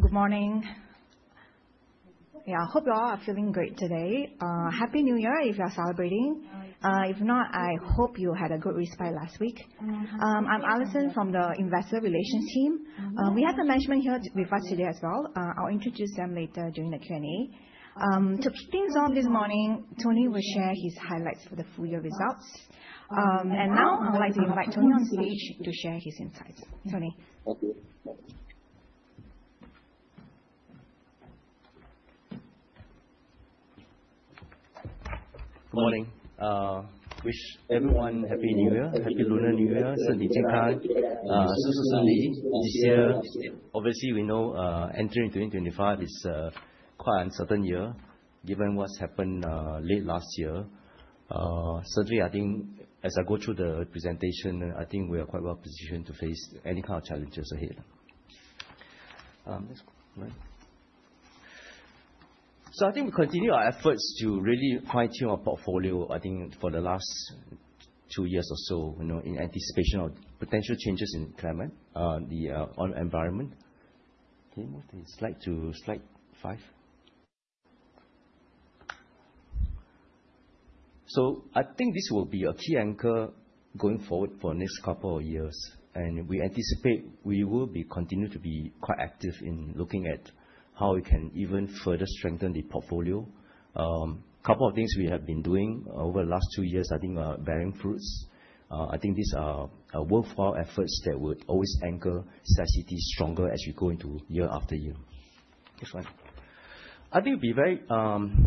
Good morning. Yeah, I hope you all are feeling great today. Happy New Year if you're celebrating. If not, I hope you had a good respite last week. I'm Allison from the investor relations team. We have the management here with us today as well. I'll introduce them later during the Q&A. To kick things off this morning, Tony will share his highlights for the full year results. Now, I would like to invite Tony on stage to share his insights. Tony? Good morning. Wish everyone happy New Year. Happy Lunar New Year. This year, obviously, we know entering 2025 is quite an uncertain year given what's happened late last year. Certainly, I think as I go through the presentation, I think we are quite well-positioned to face any kind of challenges ahead. I think we continue our efforts to really fine-tune our portfolio, I think for the last two years or so in anticipation of potential changes in climate, the oil environment. Can you move the slide to slide five? I think this will be a key anchor going forward for next couple of years, and we anticipate we will continue to be quite active in looking at how we can even further strengthen the portfolio. Couple of things we have been doing over the last two years, I think are bearing fruits. I think these are worthwhile efforts that would always anchor CICT stronger as we go into year after year. Next one.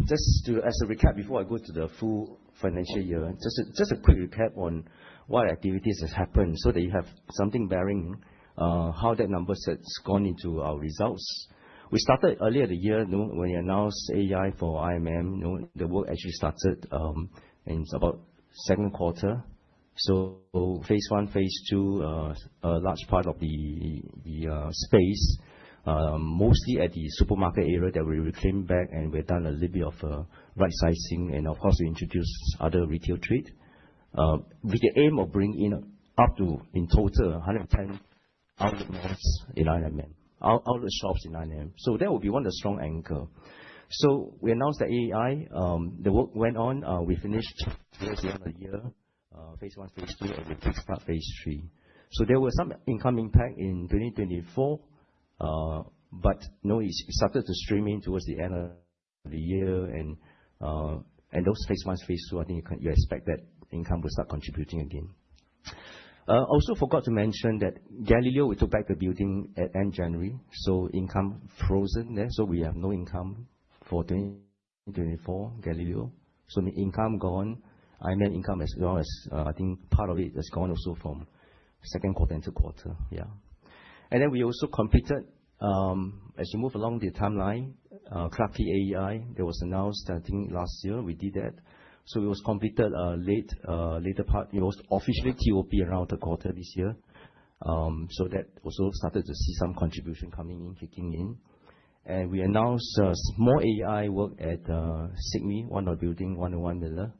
Just as a recap before I go to the full financial year, just a quick recap on what activities has happened so that you have something bearing how that number set's gone into our results. We started earlier the year when we announced AEI for IMM. The work actually started in about second quarter. Phase I, phase II, a large part of the space, mostly at the supermarket area that we reclaimed back, and we've done a little bit of right sizing. And of course, we introduced other retail trade, with the aim of bringing in up to in total, 110 outlet malls in IMM, outlet shops in IMM. That would be one of the strong anchor. We announced the AEI, the work went on. We finished towards the end of the year, phase I, phase II, and we kick start phase III. There was some income impact in 2024. No, it started to stream in towards the end of the year. Those phase I, phase II, I think you expect that income will start contributing again. Also forgot to mention that Galileo, we took back the building at end January, income frozen there. We have no income for 2024, Galileo. The income gone. IMM income as well as, I think part of it has gone also from second quarter into quarter. Yeah. Then we also completed, as you move along the timeline, Clarke Quay AEI that was announced, I think last year we did that. It was completed later part. It was officially TOP around the quarter this year. That also started to see some contribution coming in, kicking in. We announced more AEI work at Sydney, one of building, 101 Miller,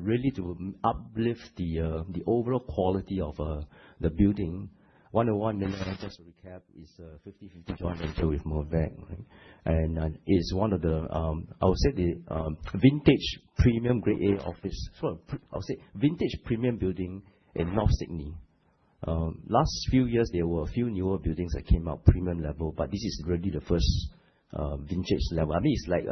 really to uplift the overall quality of the building. 101 Miller, just to recap, is a 50/50 joint venture with Mirvac. It is one of the, I would say the vintage premium Grade A office. I would say vintage premium building in North Sydney. Last few years, there were a few newer buildings that came out premium level, this is really the first vintage level. I mean, it's like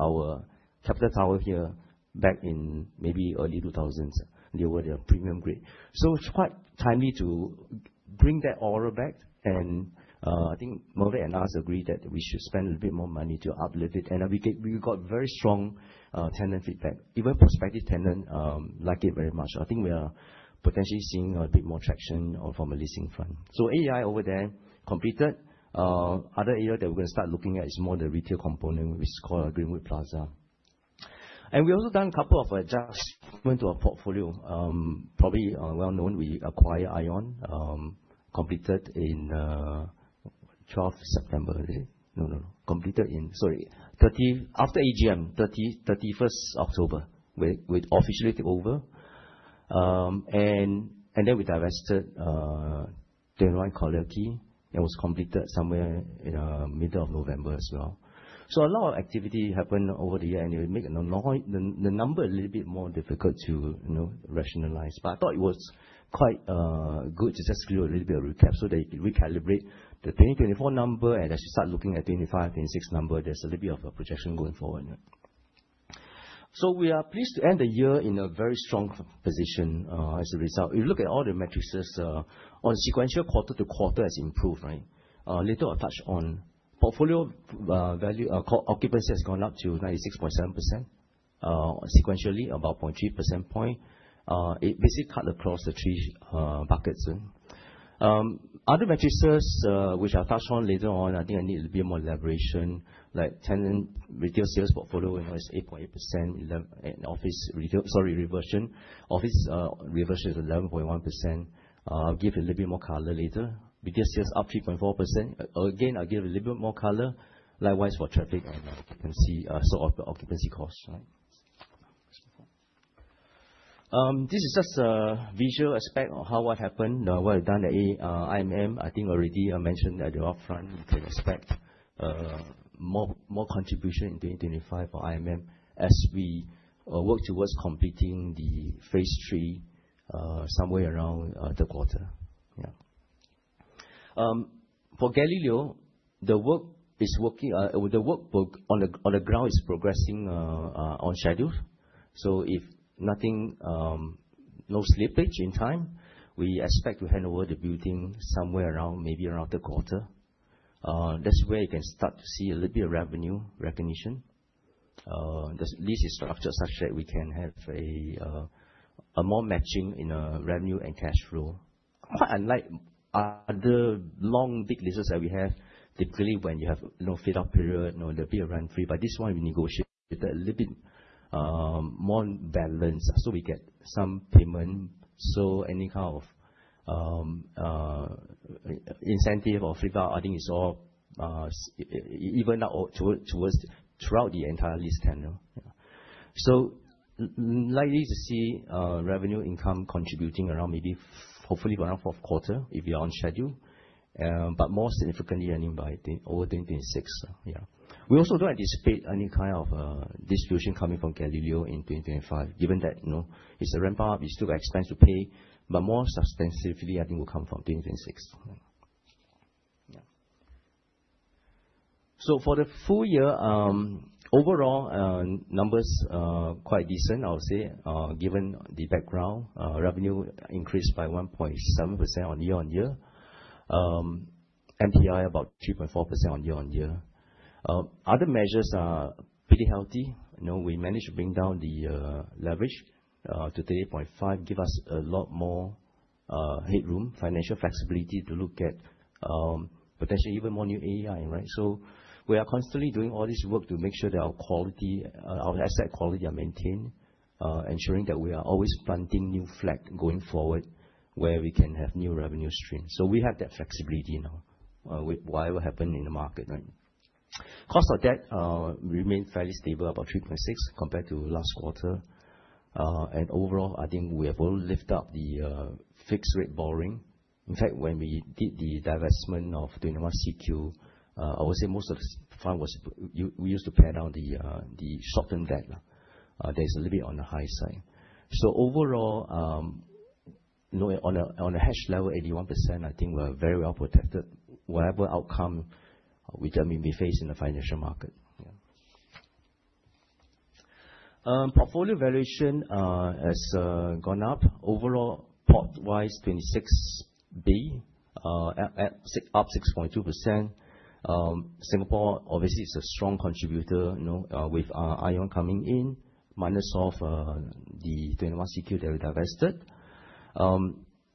our Capital Tower here back in maybe early 2000, they were the premium grade. It's quite timely to bring that aura back. I think Mirvac and us agree that we should spend a bit more money to uplift it. We got very strong tenant feedback. Even prospective tenant like it very much. I think we are potentially seeing a bit more traction from a leasing front. AEI over there completed. Other area that we're going to start looking at is more the retail component, which is called Greenwood Plaza. We've also done a couple of adjustments to our portfolio. Probably well-known, we acquired ION, completed in 12th September. Is it? No, no. Sorry, after AGM, 31st October, we officially took over. We divested 21 Collyer Quay. That was completed somewhere in the middle of November as well. A lot of activity happened over the year, and it will make the number a little bit more difficult to rationalize. I thought it was quite good to just give you a little bit of recap so that you can recalibrate the 2024 number, and as you start looking at 2025, 2026 number, there's a little bit of a projection going forward. We are pleased to end the year in a very strong position as a result. If you look at all the matrices, on sequential quarter-over-quarter has improved, right? Later I'll touch on portfolio value. Occupancy has gone up to 96.7%, sequentially about 0.3 percentage point. It basically cut across the three buckets. Other matrices, which I'll touch on later on, I think I need a bit more elaboration, like tenant retail sales portfolio is 8.8% and office retail Sorry, reversion. Office reversion is 11.1%. I'll give a little bit more color later because sales up 3.4%. Again, I'll give a little bit more color. Likewise for traffic and occupancy cost, right? This is just a visual aspect of what happened, what I've done at IMM. I think already I mentioned at the upfront we can expect more contribution in 2025 for IMM as we work towards completing the phase III somewhere around the quarter. For Galileo, the work on the ground is progressing on schedule. If nothing, no slippage in time, we expect to hand over the building somewhere around, maybe around the quarter. That's where you can start to see a little bit of revenue recognition. The lease is structured such that we can have a more matching in our revenue and cash flow. Quite unlike other long, big leases that we have, typically, when you have fit-out period, there'll be a rent-free. This one we negotiate a little bit more balance, so we get some payment. Any kind of incentive or fit-out, I think it's all evened out towards throughout the entire lease tenure. Likely to see revenue income contributing around maybe hopefully by around fourth quarter, if we are on schedule. More significantly earning by over 2026. We also don't anticipate any kind of distribution coming from Galileo in 2025, given that, it's a ramp-up, we still have expense to pay, but more substantively, I think will come from 2026. For the full year, overall, numbers are quite decent, I would say, given the background. Revenue increased by 1.7% year-on-year. NPI about 3.4% year-on-year. Other measures are pretty healthy. We managed to bring down the leverage to 38.5%, give us a lot more headroom, financial flexibility to look at potentially even more new AEI. We are constantly doing all this work to make sure that our asset quality are maintained, ensuring that we are always planting new flag going forward where we can have new revenue stream. We have that flexibility now with whatever happen in the market. Cost of debt remained fairly stable, about 3.6% compared to last quarter. Overall, I think we have all locked up the fixed rate borrowing. In fact, when we did the divestment of 21 CQ, I would say most of the fund we used to pay down the shortened debt. That is a little bit on the high side. Overall, on a hedged level, 81%, I think we're very well protected whatever outcome which may be faced in the financial market. Portfolio valuation has gone up. Overall, portfolio-wise, 26 billion, up 6.2%. Singapore obviously is a strong contributor with ION coming in, minus of the 21 CQ that we divested.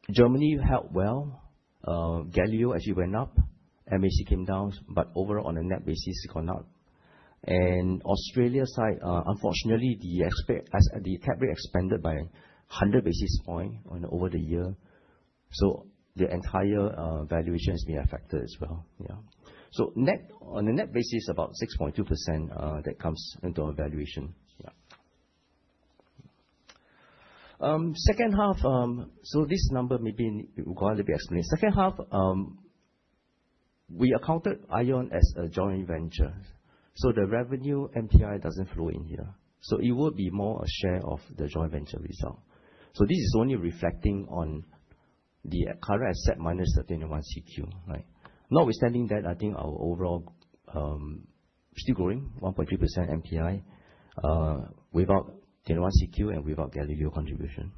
Germany held well. Galileo actually went up. MAC came down, but overall, on a net basis, it gone up. Australia site, unfortunately, the cap rate expanded by 100 basis points over the year. The entire valuation has been affected as well. On a net basis, about 6.2% that comes into our valuation. Second half, this number maybe we got a little bit explain. Second half, we accounted ION as a joint venture. The revenue NPI doesn't flow in here. It would be more a share of the joint venture result. This is only reflecting on the current asset minus the 21 CQ. Notwithstanding that, I think our overall still growing 1.3% NPI without 21 CQ and without Galileo contribution.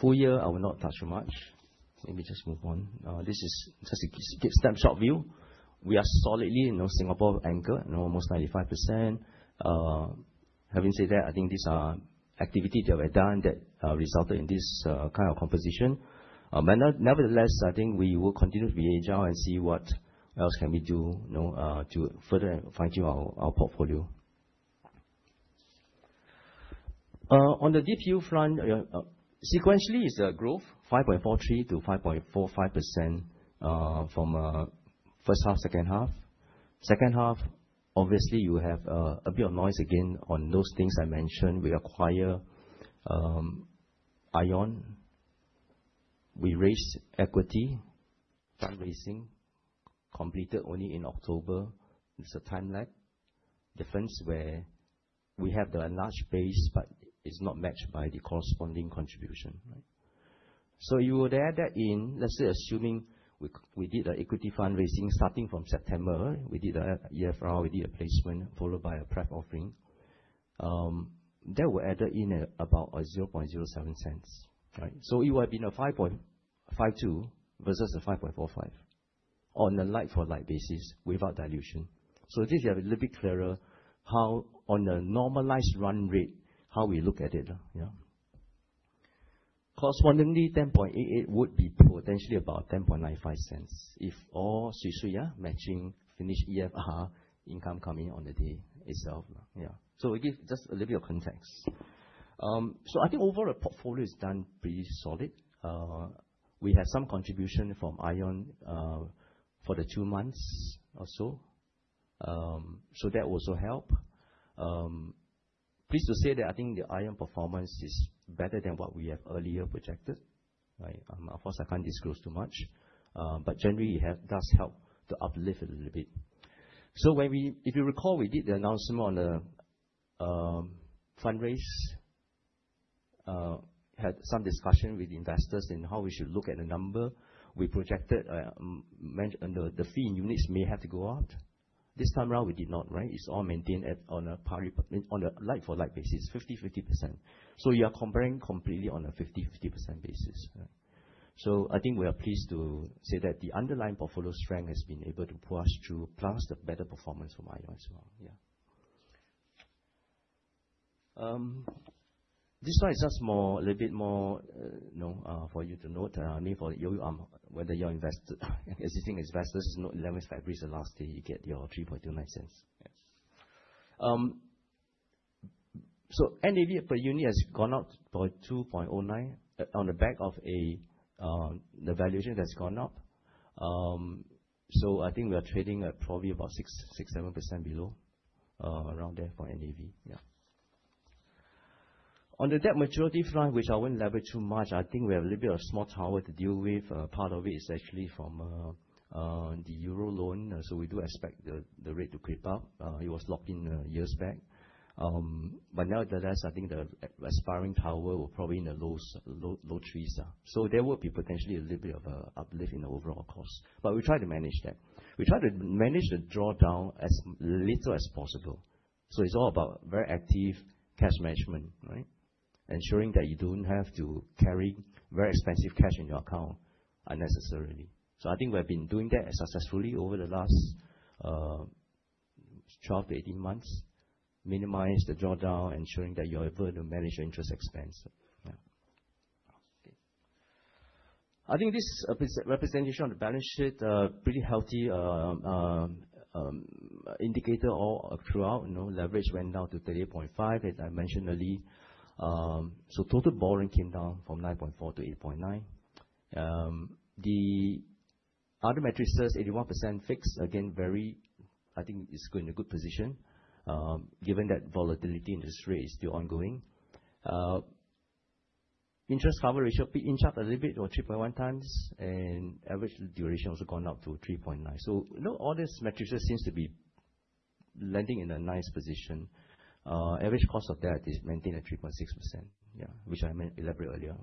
Full year, I will not touch much. Let me just move on. This is just a snapshot view. We are solidly Singapore anchored, almost 95%. Having said that, I think these are activity that were done that resulted in this kind of composition. Nevertheless, I think we will continue to be agile and see what else can we do to further fine-tune our portfolio. On the DPU front, sequentially is a growth 5.43%-5.45% from first half, second half. Second half, obviously, you have a bit of noise again on those things I mentioned. We acquire ION. We raised equity fundraising, completed only in October. It's a time lag difference where we have the large base, but it's not matched by the corresponding contribution. You will add that in, let's say assuming we did an equity fundraising starting from September. We did an EFRA, we did a placement followed by a prep offering. That will added in at about 0.07. It would have been 5.52 versus 5.45 on a like-for-like basis without dilution. This is a little bit clearer how on the normalized run rate, how we look at it. Correspondingly, 10.88 would be potentially about 10.95 if all matching finished EFRA income coming on the day itself. It give just a little bit of context. I think overall the portfolio has done pretty solid. We have some contribution from ION for the two months or so. That also help. Pleased to say that I think the ION performance is better than what we have earlier projected. I can't disclose too much, generally it does help to uplift it a little bit. If you recall, we did the announcement on the fundraise, had some discussion with investors in how we should look at the number. We projected the fee in units may have to go out. This time round we did not. It's all maintained on a like-for-like basis, 50/50%. You are comparing completely on a 50/50% basis. I think we are pleased to say that the underlying portfolio strength has been able to push through, plus the better performance from ION as well. This one is just a little bit more for you to note, whether you're an existing investor, note 11th February is the last day you get your 0.0329. NAV per unit has gone up by 2.09 on the back of the valuation that's gone up. I think we are trading at probably about 6%, 7% below, around there for NAV. On the debt maturity front, which I won't elaborate too much, I think we have a little bit of a small tower to deal with. Part of it is actually from the EUR loan, we do expect the rate to creep up. It was locked in years back. Nevertheless, I think the expiring tower will probably in the low threes. There will be potentially a little bit of an uplift in the overall cost, we try to manage that. We try to manage the drawdown as little as possible. It's all about very active cash management. Ensuring that you don't have to carry very expensive cash in your account unnecessarily. I think we have been doing that successfully over the last 12-18 months, minimize the drawdown, ensuring that you're able to manage your interest expense. I think this representation on the balance sheet, pretty healthy indicator all throughout. Leverage went down to 38.5%, as I mentioned earlier. Total borrowing came down from 9.4-8.8. The other metrics, 81% fixed. Again, I think it's in a good position, given that volatility in this rate is still ongoing. Interest cover ratio inched up a little bit to 3.1 times, average duration also gone up to 3.9. All these metrics just seems to be landing in a nice position. Average cost of debt is maintained at 3.6%. Which I elaborate earlier.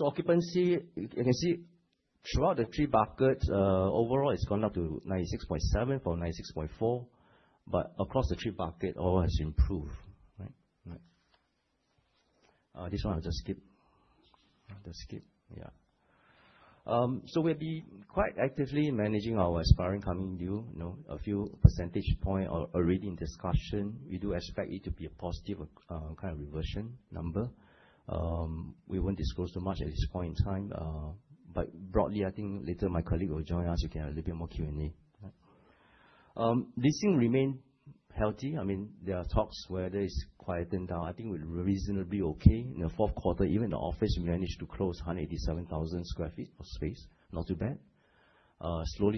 Occupancy, you can see throughout the three buckets, overall it's gone up to 96.7% from 96.4%. Across the three bucket, all has improved. This one I'll just skip. We've been quite actively managing our expiring coming deal. A few percentage point are already in discussion. We do expect it to be a positive kind of reversion number. We won't disclose too much at this point in time. Broadly, I think later my colleague will join us, you can have a little bit more Q&A. Leasing remains healthy. There are talks whether it's quietened down. I think we're reasonably okay. In the fourth quarter, even the office managed to close 187,000 sq ft of space. Not too bad. Slow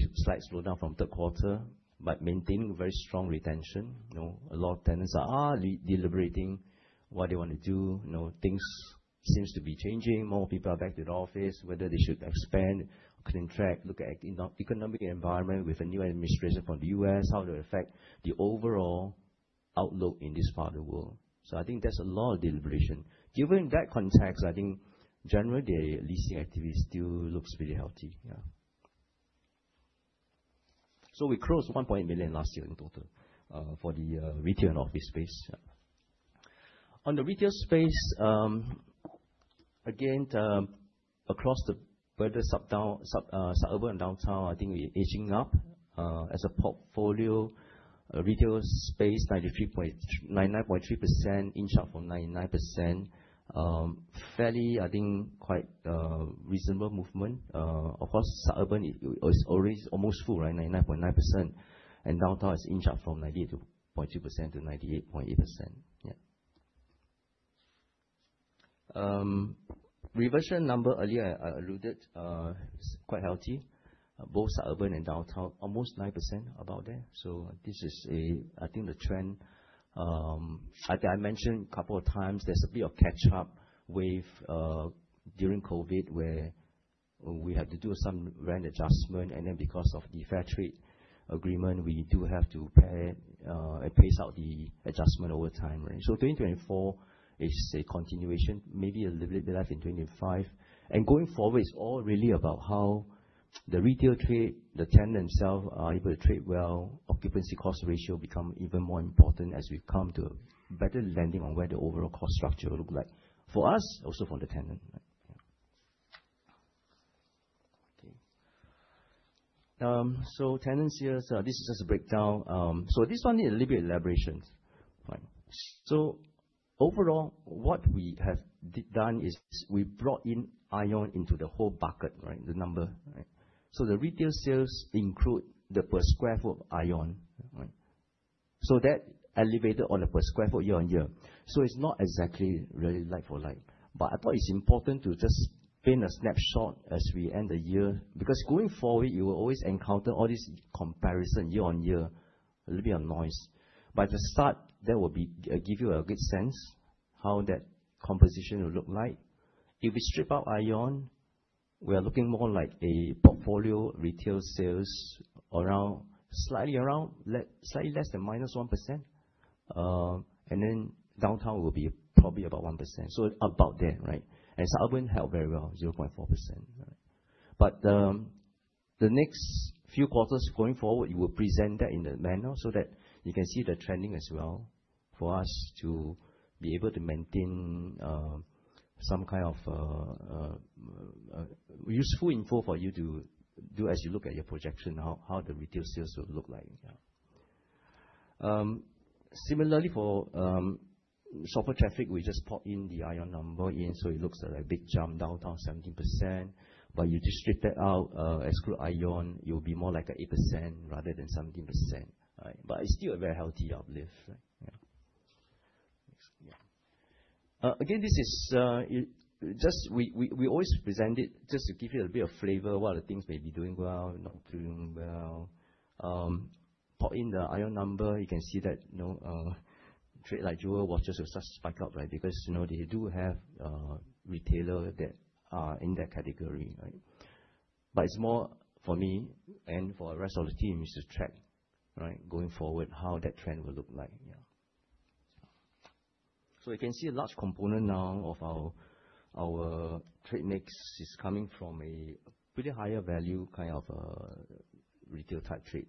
slowdown from third quarter, but maintaining very strong retention. A lot of tenants are deliberating what they want to do. Things seem to be changing. More people are back to the office, whether they should expand, contract, look at economic environment with a new administration from the U.S., how it will affect the overall outlook in this part of the world. I think there's a lot of deliberation. Given that context, I think generally the leasing activity still looks pretty healthy. We closed 1.8 million last year in total for the retail and office space. On the retail space, again, across the greater suburban downtown, I think we're aging up as a portfolio. Retail space, 99.3%, inched up from 99%. Fairly, I think quite reasonable movement. Of course, suburban is always almost full, 99.9%, and downtown is inched up from 98.2%-98.8%. Reversion number earlier I alluded, is quite healthy, both suburban and downtown, almost 9%, about there. This is, I think the trend. I mentioned a couple of times there's a bit of catch-up wave during COVID where we had to do some rent adjustment, and then because of the fair trade agreement, we do have to pace out the adjustment over time. 2024 is a continuation, maybe a little bit less in 2025. Going forward, it's all really about how the retail trade, the tenant themselves are able to trade well, occupancy cost ratio become even more important as we come to a better landing on where the overall cost structure will look like for us, also for the tenant. Tenants here. This is just a breakdown. This one needs a little bit of elaboration. Overall, what we have done is we've brought in ION into the whole bucket, the number. The retail sales include the per square foot of ION. That elevated on a per square foot year-over-year. It's not exactly really like for like. I thought it's important to just paint a snapshot as we end the year, because going forward, you will always encounter all this comparison year-over-year, a little bit of noise. At the start, that will give you a good sense how that composition will look like. If we strip out ION, we are looking more like a portfolio retail sales slightly less than -1%, and then downtown will be probably about 1%. About there. Suburban held very well, 0.4%. The next few quarters going forward, we will present that in the manner so that you can see the trending as well for us to be able to maintain some kind of useful info for you to do as you look at your projection, how the retail sales will look like. Similarly, for shopper traffic, we just pop in the ION number in, so it looks a big jump downtown, 17%, but you just strip that out, exclude ION, it will be more like 8% rather than 17%. It's still a very healthy uplift. Next. Again, we always present it just to give you a bit of flavor of what things may be doing well, not doing well. Pop in the ION number, you can see that trade like jewel watches will just spike up, because they do have retailers that are in that category. It's more for me and for the rest of the team is to track, going forward, how that trend will look like. You can see a large component now of our trade mix is coming from a pretty higher value retail type trade.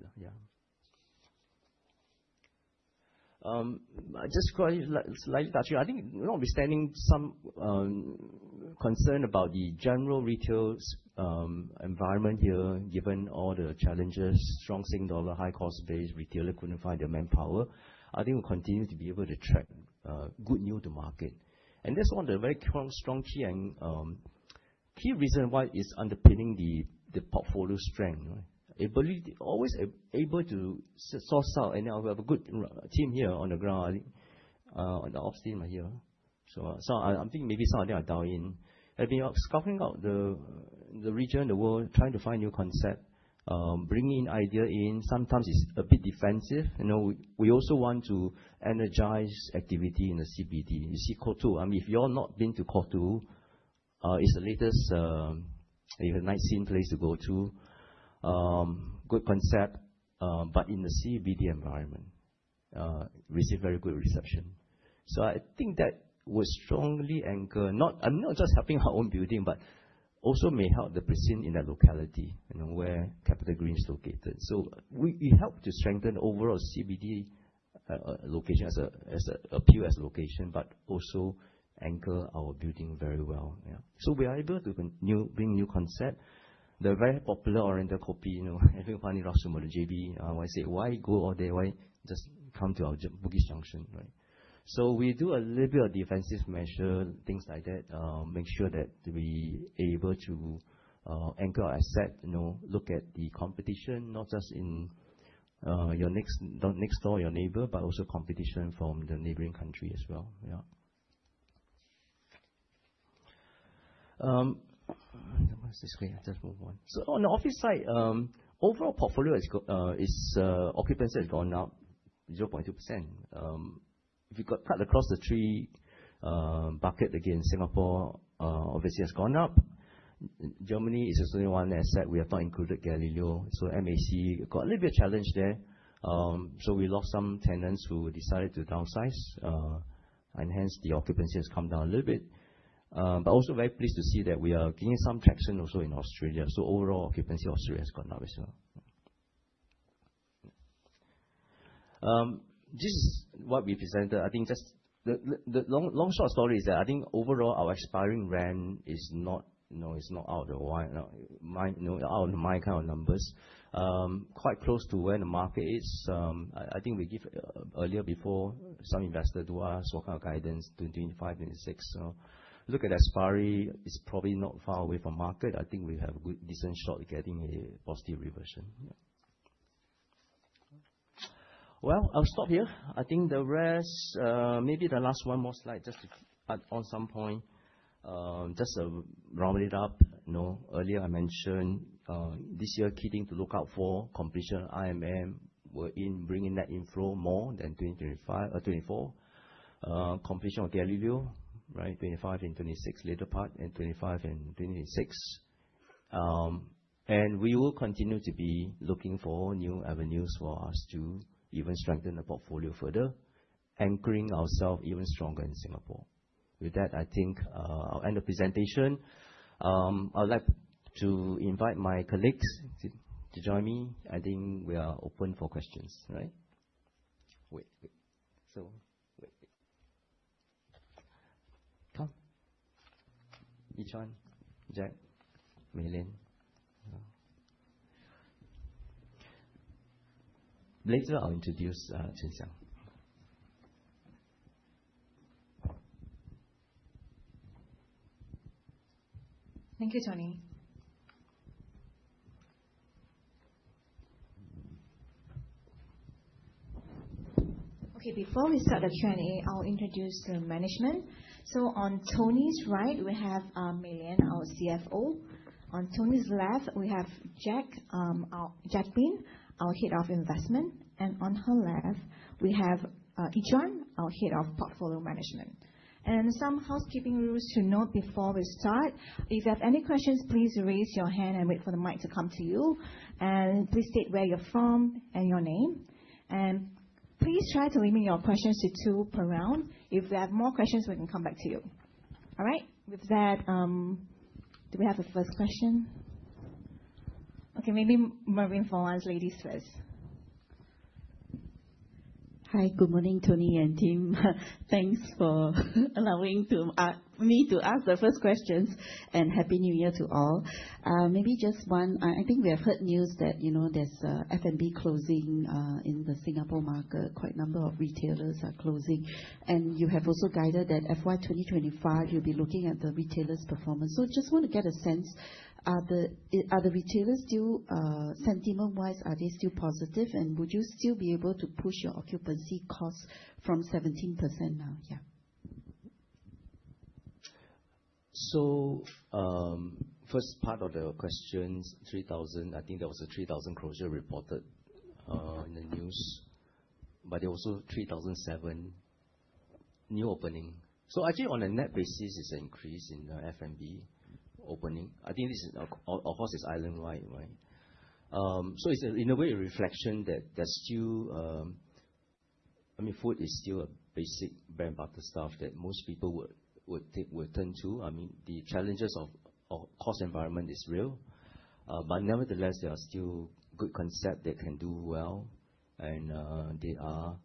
I just slightly touch it. I think notwithstanding some concern about the general retail environment here, given all the challenges, strong Singapore, high cost base, retailer couldn't find the manpower, I think we'll continue to be able to track good new to market. That's one of the very strong key reason why it's underpinning the portfolio strength. I believe they're always able to source out, and we have a good team here on the ground, the ops team are here. I'm thinking maybe some of them are dialed in. Have been scouting out the region, the world, trying to find new concept, bringing idea in, sometimes it's a bit defensive. We also want to energize activity in the CBD. You see Quartet. If you all not been to Quartet, it's the latest, a nice scene place to go to. Good concept in the CBD environment. Receive very good reception. I think that will strongly anchor, and not just helping our own building, but also may help the precinct in that locality, where CapitaGreen is located. We help to strengthen overall CBD appeal as a location, but also anchor our building very well. We are able to bring new concept. The very popular Oriental Kopi, having fun in Rossum or the JB. I say, "Why go all day? Why just come to our Bugis Junction?" We do a little bit of defensive measure, things like that, make sure that we able to anchor our asset, look at the competition, not just next door your neighbor, but also competition from the neighboring country as well. Where is the screen? Just move on. On the office side, overall portfolio occupancy has gone up 0.2%. If you cut across the three bucket, again, Singapore obviously has gone up. Germany is the only one asset we have not included Galileo. MAC, we've got a little bit of challenge there. We lost some tenants who decided to downsize, and hence the occupancy has come down a little bit. Also very pleased to see that we are gaining some traction also in Australia. Overall occupancy Australia has gone up as well. This is what we presented. I think just the long story short is that I think overall our aspiring rent is not out of my kind of numbers. Quite close to where the market is. I think we give earlier before some investor to us what kind of guidance to 2025, 2026. Look at aspiring is probably not far away from market. I think we have a good decent shot at getting a positive reversion. I'll stop here. I think the rest, maybe the last one more slide just to add on some point. Just to round it up. Earlier I mentioned this year key thing to look out for completion IMM. We're in bringing that inflow more than 2024. Completion of Galileo, 2025 and 2026 latter part, and 2025 and 2026. We will continue to be looking for new avenues for us to even strengthen the portfolio further, anchoring ourself even stronger in Singapore. With that, I think I'll end the presentation. I would like to invite my colleagues to join me. I think we are open for questions. Wait. Wait. Come. Yi Zhuan, Jacq, Mei Lian. Later, I'll introduce Choon Siang. Thank you, Tony. Okay, before we start the Q&A, I'll introduce the management. On Tony's right, we have Mei Lian, our CFO. On Tony's left, we have Jacqueline, our head of investment, and on her left, we have Yi Zhuan, our head of portfolio management. Some housekeeping rules to note before we start. If you have any questions, please raise your hand and wait for the mic to come to you. Please state where you're from and your name. Please try to limit your questions to two per round. If you have more questions, we can come back to you. All right. With that, do we have a first question? Okay, maybe Mervin for ladies first. Hi. Good morning, Tony and team. Thanks for allowing me to ask the first questions, and Happy New Year to all. Maybe just one. I think we have heard news that there's F&B closing in the Singapore market. Quite a number of retailers are closing. You have also guided that FY 2025, you'll be looking at the retailers' performance. Just want to get a sense, are the retailers still, sentiment-wise, are they still positive and would you still be able to push your occupancy costs from 17% now? Yeah. First part of the question, I think there was a 3,000 closure reported in the news. There were also 3,007 new openings. Actually, on a net basis, it's an increase in the F&B openings. Of course, it's island-wide, right? It's, in a way, a reflection that food is still a basic bread-and-butter stuff that most people would turn to. The challenges of cost environment is real. Nevertheless, there are still good concepts that can do well, and there are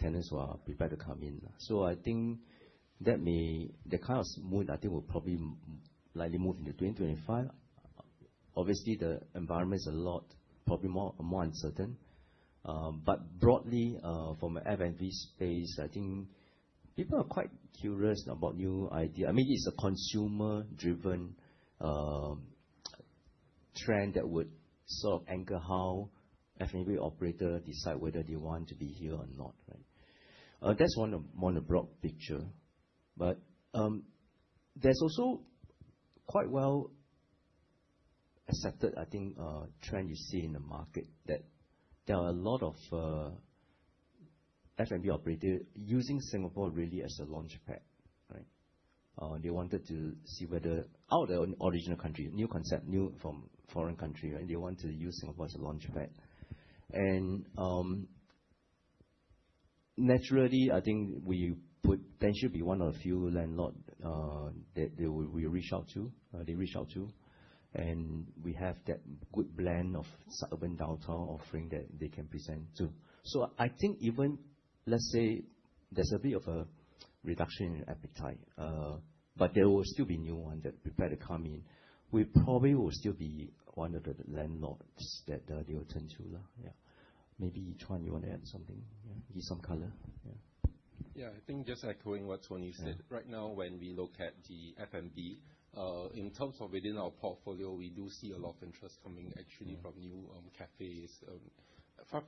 tenants who are prepared to come in. I think that kind of mood, I think, will probably likely move into 2025. Obviously, the environment is a lot, probably more uncertain. But broadly, from an F&B space, I think people are quite curious about new ideas. It's a consumer-driven trend that would sort of anchor how F&B operators decide whether they want to be here or not, right? That's one broad picture. There's also quite well accepted, I think, trend you see in the market, that there are a lot of F&B operators using Singapore, really, as a launchpad. Right? They wanted to see whether out of their original country, new concept from foreign country, They want to use Singapore as a launchpad. Naturally, I think we would potentially be one of the few landlords that they will reach out to. We have that good blend of suburban downtown offering that they can present, too. I think even, let's say there's a bit of a reduction in appetite, but there will still be new ones that are prepared to come in. We probably will still be one of the landlords that they will turn to. Yeah. Maybe Yi Zhuan you want to add something? Give some color. Yeah. Yeah. I think just echoing what Tony said. Right now, when we look at the F&B, in terms of within our portfolio, we do see a lot of interest coming actually from new cafes.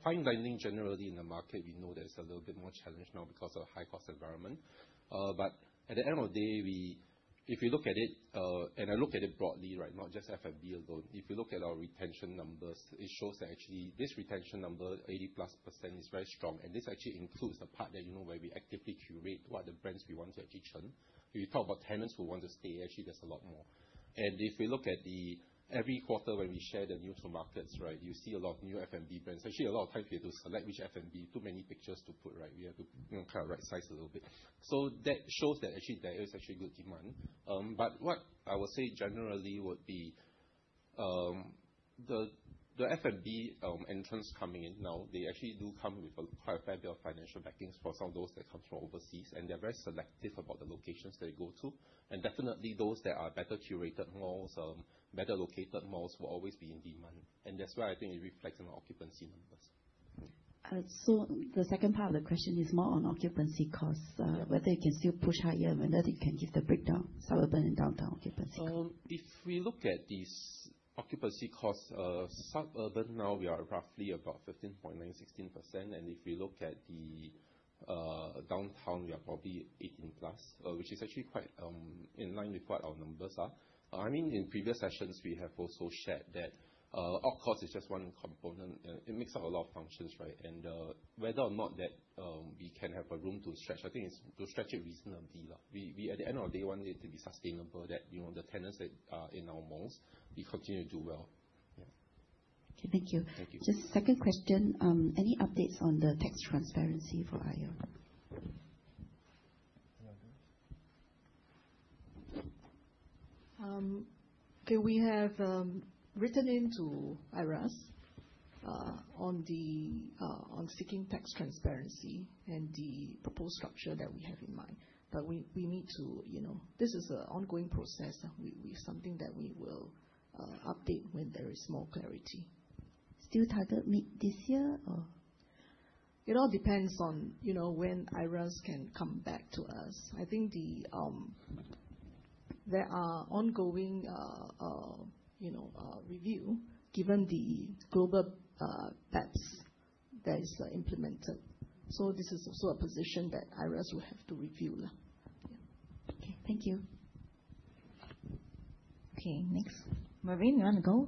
Fine dining, generally, in the market, we know that it's a little bit more challenged now because of high cost environment. At the end of the day, if you look at it, and I look at it broadly, right now, just F&B alone. If you look at our retention numbers, it shows that actually this retention number, +80%, is very strong. This actually includes the part that you know where we actively curate what the brands we want at each turn. If you talk about tenants who want to stay, actually, there's a lot more. If we look at every quarter when we share the new to markets, right, you see a lot of new F&B brands. Actually, a lot of times we have to select which F&B. Too many pictures to put, right? We have to kind of right size a little bit. That shows that actually there is actually good demand. What I will say generally would be the F&B entrants coming in now, they actually do come with quite a fair bit of financial backings for some of those that come from overseas, They're very selective about the locations they go to. Definitely those that are better curated malls, better located malls will always be in demand. That's why I think it reflects on the occupancy numbers. The second part of the question is more on occupancy costs. Yeah. Whether you can still push higher, whether you can give the breakdown, suburban and downtown occupancy cost. If we look at this occupancy cost, suburban now we are roughly about 15.9%, 16%. If we look at the downtown, we are probably 18%+, which is actually quite in line with what our numbers are. In previous sessions, we have also shared that op cost is just one component. It makes up a lot of functions, right? And whether or not that we can have a room to stretch, I think it's to stretch it reasonably low. At the end of the day, we want it to be sustainable, that the tenants that are in our malls will continue to do well. Yeah. Okay. Thank you. Thank you. Just second question. Any updates on the tax transparency for ION? Okay, we have written in to IRAS on seeking tax transparency and the proposed structure that we have in mind. This is an ongoing process. It's something that we Update when there is more clarity. Still target mid this year, or? It all depends on when IRAS can come back to us. I think there are ongoing review given the global tax that is implemented. This is also a position that IRAS will have to review. Yeah. Okay. Thank you. Okay, next. Mervin, you want to go?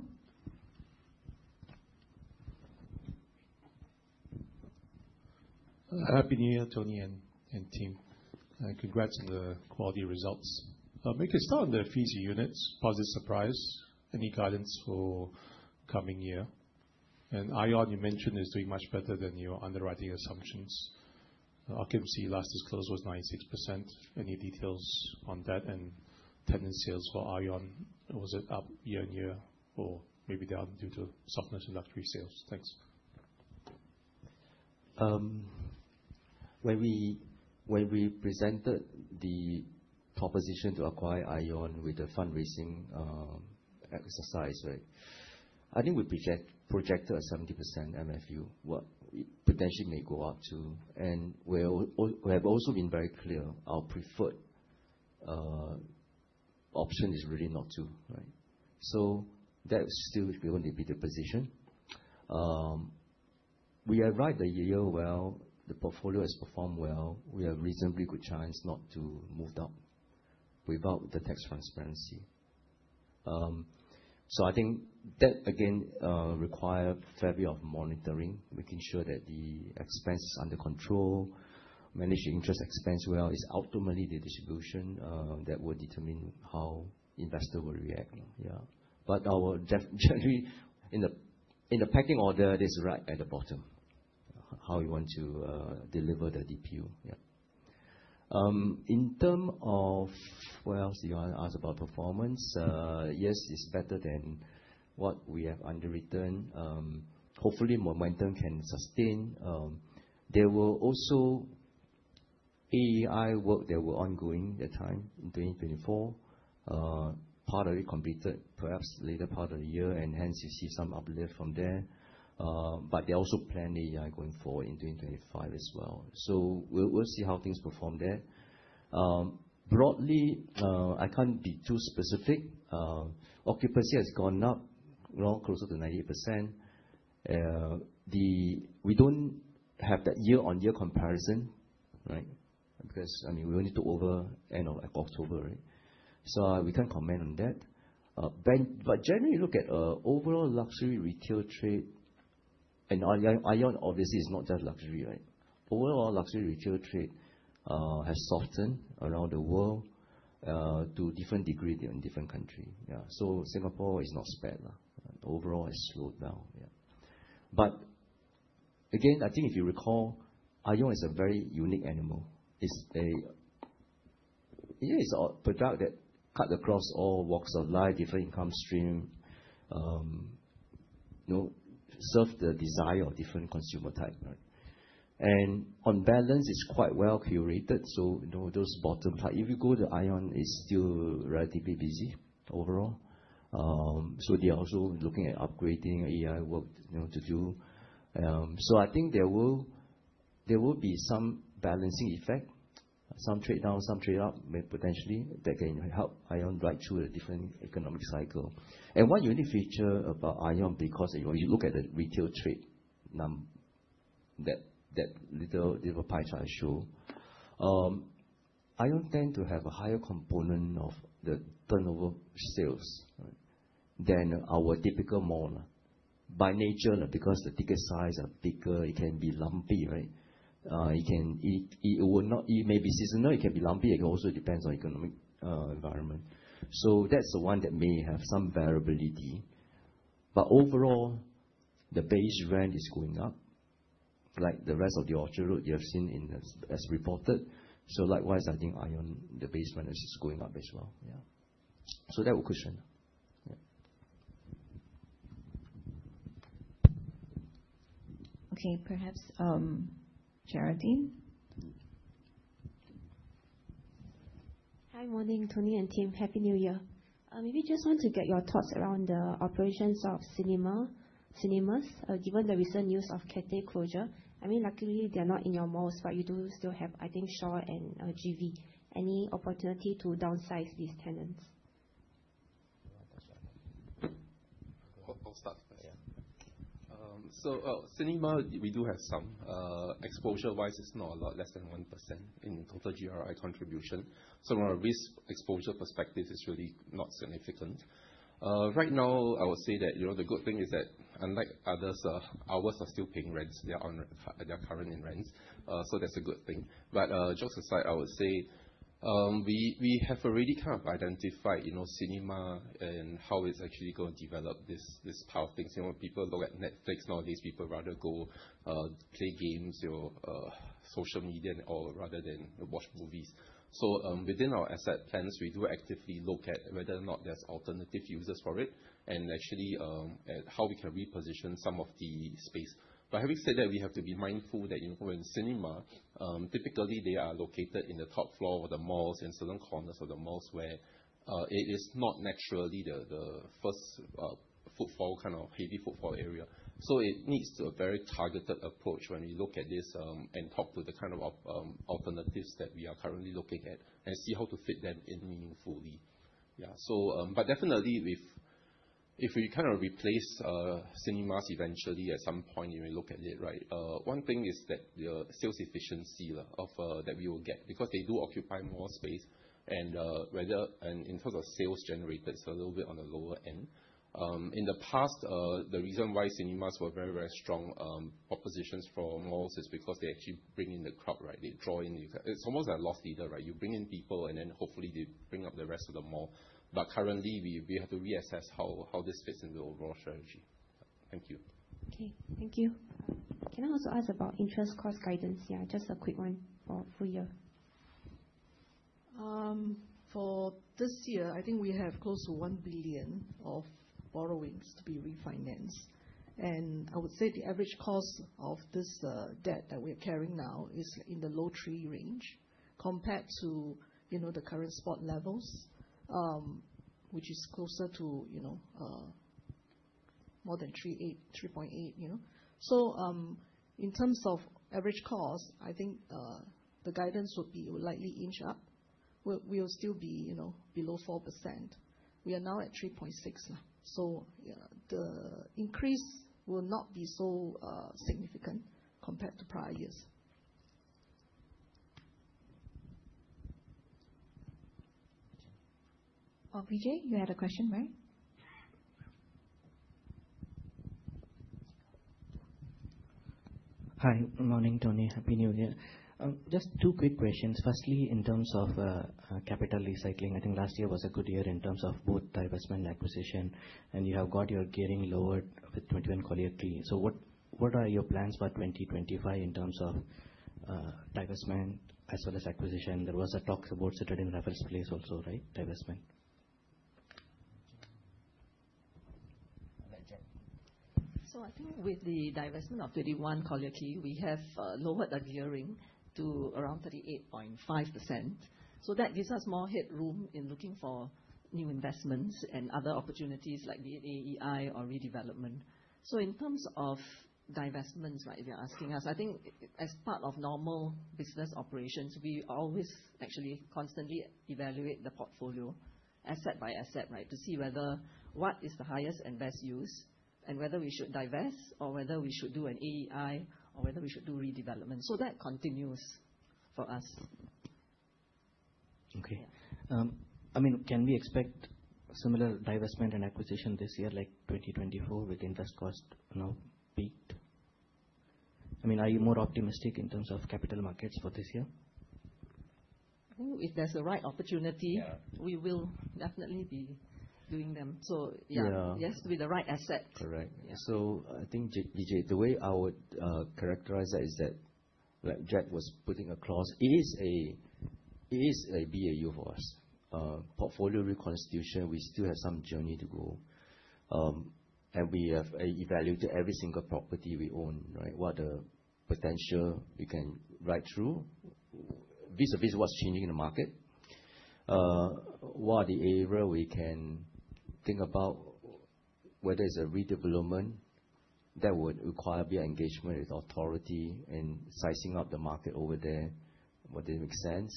Happy New Year, Tony and team, and congrats on the quality results. May I start on the fees units. Positive surprise. Any guidance for coming year? ION you mentioned is doing much better than your underwriting assumptions. Occupancy last disclosed was 96%. Any details on that and tenant sales for ION? Was it up year-on-year or maybe down due to softness in luxury sales? Thanks. When we presented the proposition to acquire ION with the fundraising exercise, right, I think we projected a 70% MFU, what we potentially may go up to. We have also been very clear, our preferred option is really not to, right? That still is going to be the position. We arrived the year well, the portfolio has performed well. We have reasonably good chance not to move down without the tax transparency. I think that again, require fairly of monitoring, making sure that the expense is under control, managing interest expense well, is ultimately the distribution that will determine how investor will react. Generally, in the pecking order, that is right at the bottom, how we want to deliver the DPU. In terms of, what else you want to ask about performance? Yes, it's better than what we have underwritten. Hopefully momentum can sustain. There were also AEI work that were ongoing that time in 2024. Part of it completed, perhaps later part of the year, and hence you see some uplift from there. They also plan AEI going forward in 2025 as well. We'll see how things perform there. Broadly, I can't be too specific. Occupancy has gone up, now closer to 98%. We don't have that year-on-year comparison, right? We only took over end of October, right? We can't comment on that. Generally, look at overall luxury retail trade, and ION obviously is not just luxury, right? Overall luxury retail trade has softened around the world, to different degree in different country. Singapore is not spared. Overall, it's slowed down. Again, I think if you recall, ION is a very unique animal. It is a product that cut across all walks of life, different income stream, serve the desire of different consumer type. On balance, it's quite well curated. Those bottom part, if you go to ION, is still relatively busy overall. They are also looking at upgrading AEI work to do. I think there will be some balancing effect, some trade down, some trade up, may potentially, that can help ION ride through a different economic cycle. One unique feature about ION, because if you look at the retail trade that little pie chart I show. ION tend to have a higher component of the turnover sales than our typical mall. By nature, because the ticket size are bigger, it can be lumpy, right? It may be seasonal, it can be lumpy. It can also depends on economic environment. That's the one that may have some variability. Overall, the base rent is going up, like the rest of the Orchard Road you have seen as reported. Likewise, I think ION, the base rent is going up as well. That will cushion. Okay, perhaps, Geraldine? Hi. Morning, Tony and team. Happy New Year. Maybe just want to get your thoughts around the operations of cinemas, given the recent news of Cathay closure. Luckily they're not in your malls, but you do still have, I think Shaw and GV. Any opportunity to downsize these tenants? You want to take that? I'll start. Yeah. Okay. Cinema, we do have some. Exposure-wise, it's not a lot, less than 1% in total GRI contribution. From a risk exposure perspective, it's really not significant. Right now, I would say that the good thing is that unlike others, ours are still paying rents. They are current in rents. That's a good thing. Jokes aside, I would say we have already kind of identified cinema and how it's actually going to develop this whole thing. When people look at Netflix nowadays, people rather go play games or social media rather than watch movies. Within our asset plans, we do actively look at whether or not there's alternative users for it and actually, at how we can reposition some of the space. Having said that, we have to be mindful that in cinema, typically they are located in the top floor of the malls, in certain corners of the malls where it is not naturally the first footfall, kind of heavy footfall area. It needs a very targeted approach when we look at this and talk to the kind of alternatives that we are currently looking at and see how to fit them in meaningfully. Yeah. Definitely if we replace cinemas eventually at some point, you may look at it, right? One thing is that your sales efficiency that we will get, because they do occupy more space and in terms of sales generated, it's a little bit on the lower end. In the past, the reason why cinemas were very strong propositions for malls is because they actually bring in the crowd, right? They draw in. It's almost like loss leader, right? You bring in people, and then hopefully they bring up the rest of the mall. Currently, we have to reassess how this fits into the overall strategy. Thank you. Okay. Thank you. Can I also ask about interest cost guidance? Yeah, just a quick one for full year. For this year, I think we have close to 1 billion of borrowings to be refinanced. I would say the average cost of this debt that we are carrying now is in the low 3% range compared to the current spot levels, which is closer to more than 3.8%. In terms of average cost, I think, the guidance will likely inch up. We will still be below 4%. We are now at 3.6%, the increase will not be so significant compared to prior years. Vijay, you had a question, right? Hi. Good morning, Tony. Happy New Year. Just two quick questions. Firstly, in terms of capital recycling, I think last year was a good year in terms of both divestment and acquisition, and you have got your gearing lowered with 21 Collyer Quay. What are your plans for 2025 in terms of divestment as well as acquisition? There was a talk about Citadines Raffles Place also, right? Divestment. Jacque? I think with the divestment of 21 Collyer Quay, we have lowered our gearing to around 38.5%. That gives us more headroom in looking for new investments and other opportunities like the AEI or redevelopment. In terms of divestments, if you're asking us, I think as part of normal business operations, we always actually constantly evaluate the portfolio asset by asset, to see whether what is the highest and best use, and whether we should divest or whether we should do an AEI or whether we should do redevelopment. That continues for us. Okay. Can we expect similar divestment and acquisition this year, like 2024 with interest cost now peaked? Are you more optimistic in terms of capital markets for this year? I think if there's a right opportunity- Yeah. we will definitely be doing them. Yeah. Yeah. It has to be the right asset. Correct. Yeah. I think, Vijay, the way I would characterize that is that like Jacque was putting across, it is a BAU for us. Portfolio reconstitution, we still have some journey to go. We have evaluated every single property we own. What potential we can ride through vis-à-vis what's changing in the market. What are the areas we can think about, whether it's a redevelopment that would require the engagement with authority and sizing up the market over there. Would it make sense?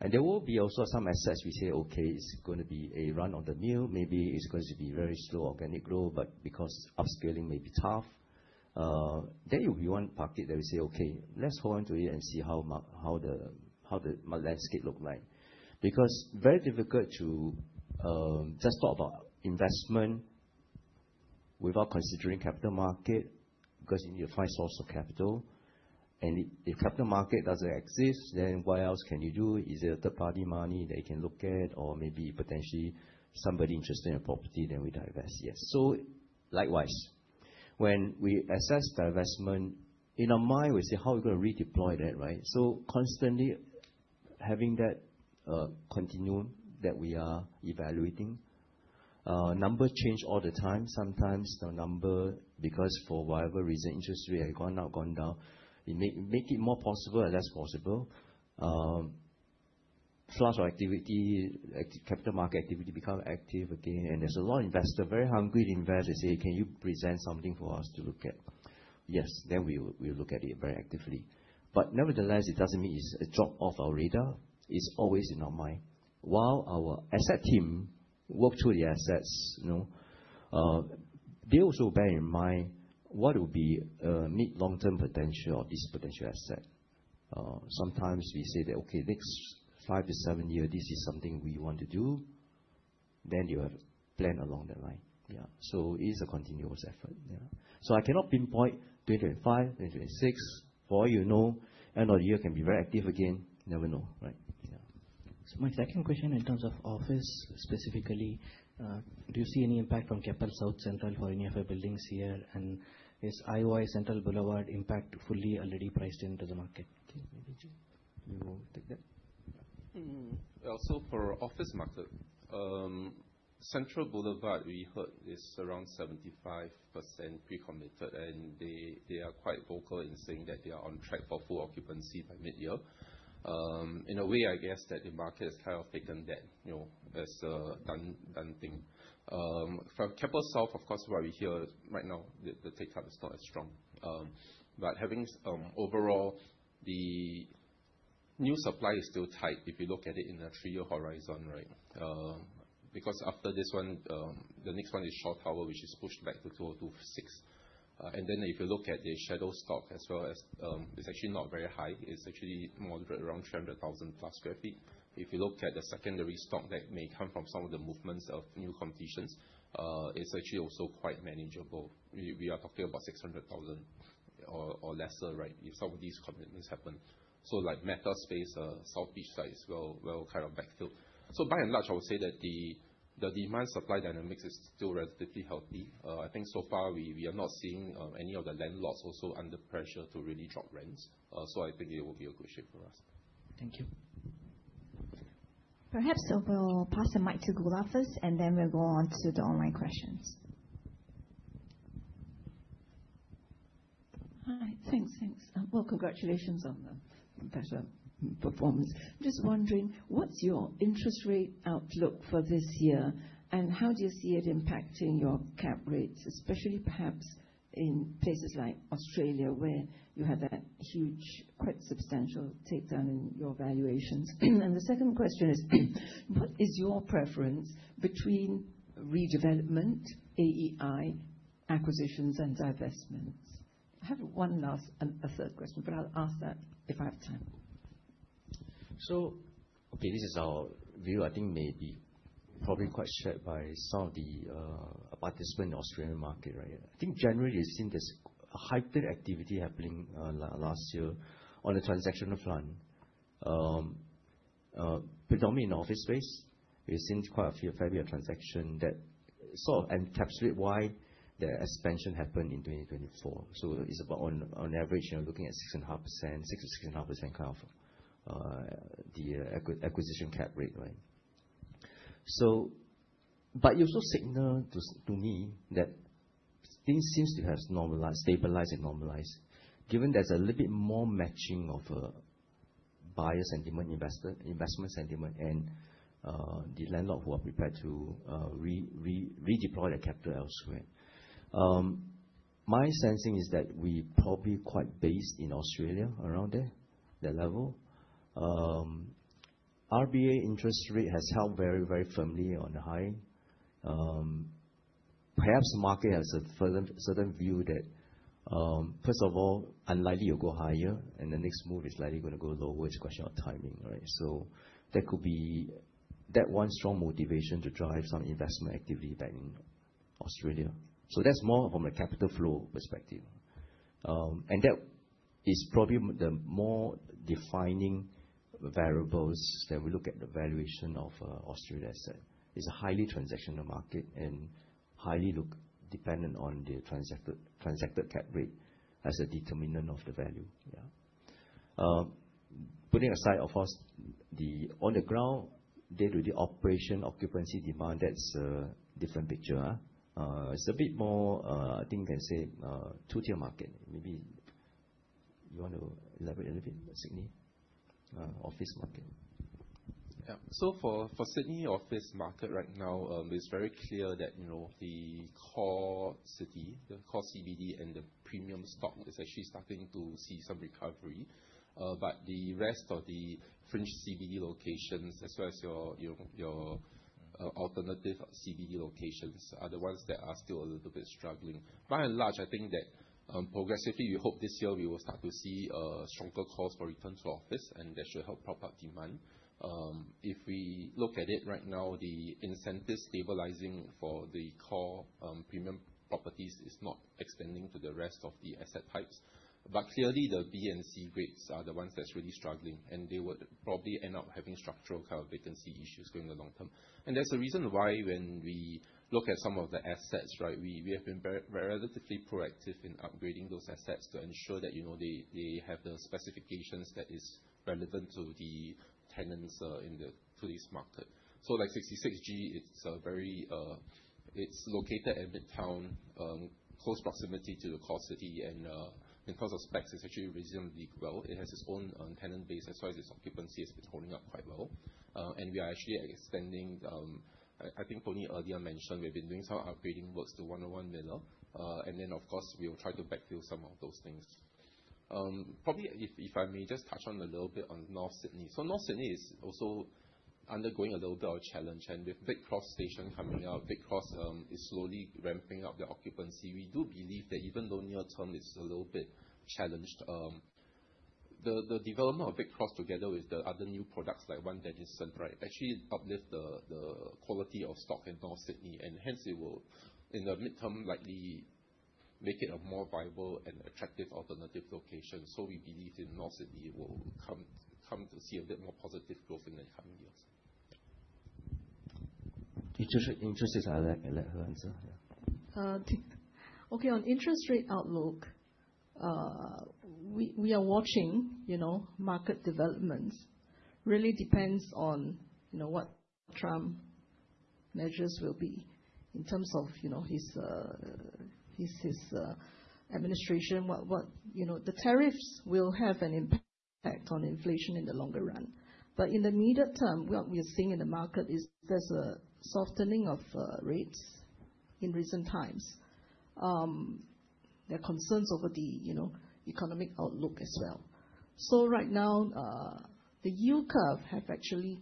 And there will be also some assets we say, "Okay, it's going to be a run-of-the-mill. Maybe it's going to be very slow organic growth," but because upscaling may be tough. If we want a pocket that we say, "Okay, let's hold on to it and see how the landscape look like." Very difficult to just talk about investment without considering capital market because you need to find source of capital. If capital market doesn't exist, then what else can you do? Is it a third-party money that you can look at or maybe potentially somebody interested in property, then we divest? Yes. Likewise, when we assess divestment, in our mind, we say, "How are we going to redeploy that?" Right? Constantly having that continuum that we are evaluating. Numbers change all the time. Sometimes the number, because for whatever reason, interest rates have gone up, gone down. It may make it more possible or less possible. Flush of activity, capital market activity become active again, and there's a lot investor very hungry to invest. They say, "Can you present something for us to look at?" Yes. We'll look at it very actively. Nevertheless, it doesn't mean it's dropped off our radar. It's always in our mind. While our asset team work through the assets, they also bear in mind what will be mid-long-term potential of this potential asset. Sometimes we say that, "Okay, next five to seven years, this is something we want to do." Then you plan along that line. Yeah. It is a continuous effort. Yeah. I cannot pinpoint 2025, 2026. For all you know, end of the year can be very active again. Never know, right? Yeah. My second question in terms of office specifically, do you see any impact from Keppel South Central for any of our buildings here? Is IOI Central Boulevard impact fully already priced into the market? Okay. Maybe Jacque, you want to take that? For office market, Central Boulevard we heard is around 75% pre-committed, and they are quite vocal in saying that they are on track for full occupancy by mid-year. In a way, I guess that the market has kind of taken that as a done thing. From Keppel South, of course, what we hear right now, the take-up is not as strong. Having overall the new supply is still tight if you look at it in a three-year horizon. Right? The next one is Shaw Tower, which is pushed back to 2026. If you look at the shadow stock as well, it's actually not very high. It's actually moderate, around 300,000 sq ft+. If you look at the secondary stock that may come from some of the movements of new competitions, it's actually also quite manageable. We are talking about 600,000 or lesser, right? If some of these commitments happen. Like Meta's space, South Beach site is well kind of backfilled. By and large, I would say that the demand supply dynamics is still relatively healthy. I think so far we are not seeing any of the landlords also under pressure to really drop rents. I think it will be a good shape for us. Thank you. Perhaps we'll pass the mic to Geraldine first, then we'll go on to the online questions. Hi. Thanks. Well, congratulations on the better performance. Just wondering, what's your interest rate outlook for this year, and how do you see it impacting your cap rates, especially perhaps in places like Australia where you had that huge, quite substantial takedown in your valuations? The second question is, what is your preference between redevelopment, AEI, acquisitions and divestments? I have one last, a third question, but I'll ask that if I have time. Okay, this is our view, I think may be probably quite shared by some of the participant in Australian market, right? I think generally you've seen this hyped activity happening last year on the transactional front. Predominantly in the office space, we've seen quite a fair bit of transaction that sort of encapsulate why the expansion happened in 2024. It's about on average, you're looking at 6.5% kind of the acquisition cap rate. Right? It also signal to me that things seems to have normalized, stabilized and normalized given there's a little bit more matching of buyer sentiment, investment sentiment and the landlord who are prepared to redeploy their capital elsewhere. My sensing is that we probably quite based in Australia around there, that level. RBA interest rate has held very firmly on the high. Perhaps market has a certain view that, first of all, unlikely to go higher and the next move is likely going to go lower. It's a question of timing. Right? That could be that one strong motivation to drive some investment activity back in Australia. That's more from a capital flow perspective. That is probably the more defining variables that we look at the valuation of Australian asset. It's a highly transactional market and highly look dependent on the transacted cap rate as a determinant of the value. Yeah. Putting aside, of course, on the ground day-to-day operation, occupancy demand, that's a different picture. It's a bit more, I think you can say, two-tier market. Maybe you want to elaborate a little bit on the Sydney office market? For Sydney office market right now, it's very clear that the core city, the core CBD and the premium stock is actually starting to see some recovery. The rest of the fringe CBD locations, as well as your alternative CBD locations, are the ones that are still a little bit struggling. By and large, I think that progressively, we hope this year we will start to see a stronger calls for return to office, and that should help prop up demand. If we look at it right now, the incentive stabilizing for the core premium properties is not extending to the rest of the asset types. Clearly the B and C grades are the ones that's really struggling, and they would probably end up having structural kind of vacancy issues going the long term. That's the reason why when we look at some of the assets, right, we have been relatively proactive in upgrading those assets to ensure that they have the specifications that is relevant to the tenants in today's market. Like 66 G, it's located at midtown, close proximity to the core city, and in terms of specs, it's actually resiliently well. It has its own tenant base, as well as its occupancy has been holding up quite well. We are actually extending, I think Tony earlier mentioned we've been doing some upgrading works to 101 Miller. Then, of course, we'll try to backfill some of those things. Probably, if I may just touch on a little bit on North Sydney. North Sydney is also undergoing a little bit of a challenge. With Vic Cross station coming up, Vic Cross is slowly ramping up their occupancy. We do believe that even though near term is a little bit challenged, the development of Vic Cross together with the other new products like One Denison Street actually uplift the quality of stock in North Sydney and hence it will in the midterm likely make it a more viable and attractive alternative location. We believe in North Sydney will come to see a bit more positive growth in the coming years. Interest is I'll let her answer. Okay. On interest rate outlook, we are watching market developments. Really depends on what Trump measures will be in terms of his administration. The tariffs will have an impact on inflation in the longer run. In the immediate term, what we are seeing in the market is there's a softening of rates in recent times. There are concerns over the economic outlook as well. Right now, the yield curve have actually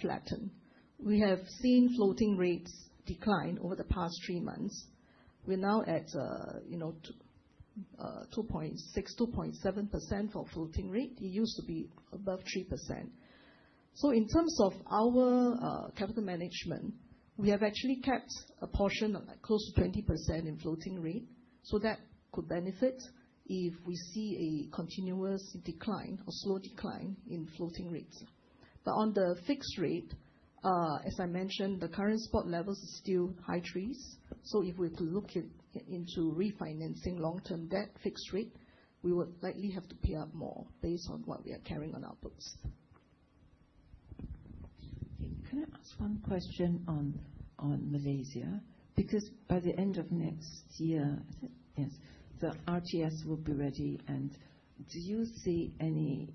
flattened. We have seen floating rates decline over the past three months. We're now at 2.6, 2.7% for floating rate. It used to be above 3%. In terms of our capital management, we have actually kept a portion of close to 20% in floating rate. That could benefit if we see a continuous decline or slow decline in floating rates. On the fixed rate, as I mentioned, the current spot levels are still high threes. If we are to look into refinancing long-term debt fixed rate, we would likely have to pay up more based on what we are carrying on our books. Okay. Can I ask one question on Malaysia? By the end of next year, is it? Yes. The RTS will be ready. Do you see any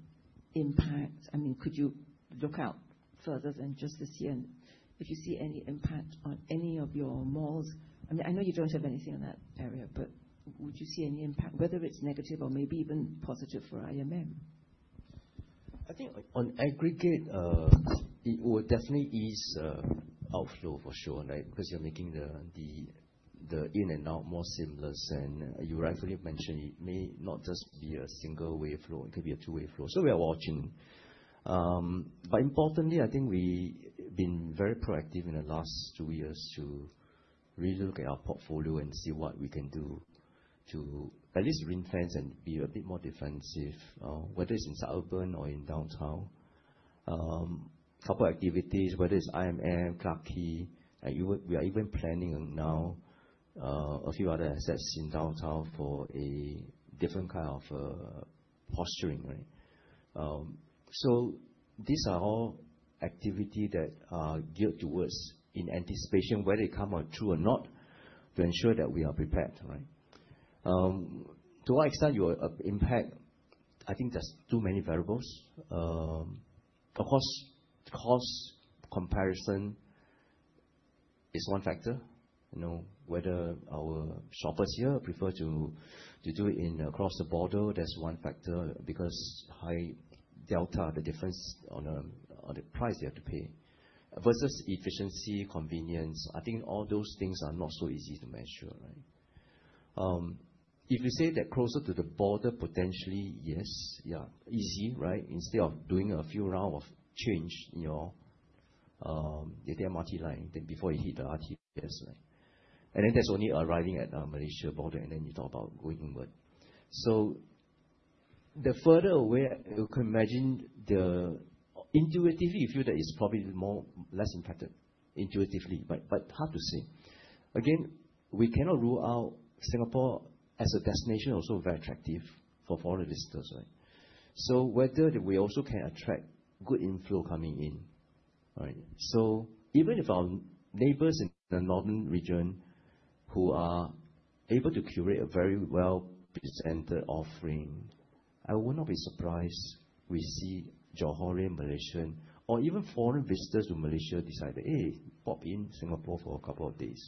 impact? Could you look out further than just this year, and if you see any impact on any of your malls? I know you don't have anything on that area, but would you see any impact, whether it's negative or maybe even positive for IMM? I think on aggregate, it would definitely ease outflow for sure, right? You're making the in and out more seamless, and you rightfully mentioned it may not just be a single wave flow, it could be a two-way flow. We are watching. Importantly, I think we been very proactive in the last two years to re-look at our portfolio and see what we can do to at least ring-fence and be a bit more defensive, whether it's in suburban or in downtown. Couple activities, whether it's IMM, Clarke Quay, we are even planning now a few other assets in downtown for a different kind of posturing, right? These are all activity that are geared towards in anticipation, whether it come out true or not, to ensure that we are prepared, right? To what extent your impact, I think there's too many variables. Of course, cost comparison is one factor. Whether our shoppers here prefer to do it across the border, that's one factor because high delta, the difference on the price they have to pay versus efficiency, convenience. I think all those things are not so easy to measure, right? If you say that closer to the border, potentially, yes. Easy, right? Instead of doing a few rounds of change in your MRT line, then before you hit the RTS line. That's only arriving at Malaysia border, then you talk about going inward. The further away you can imagine. Intuitively, you feel that it's probably less impacted, intuitively, but hard to say. Again, we cannot rule out Singapore as a destination also very attractive for foreign visitors, right? Whether we also can attract good inflow coming in, right? Even if our neighbors in the northern region who are able to curate a very well-presented offering, I would not be surprised we see Johorean Malaysian or even foreign visitors from Malaysia decide that, "Hey, pop in Singapore for a couple of days."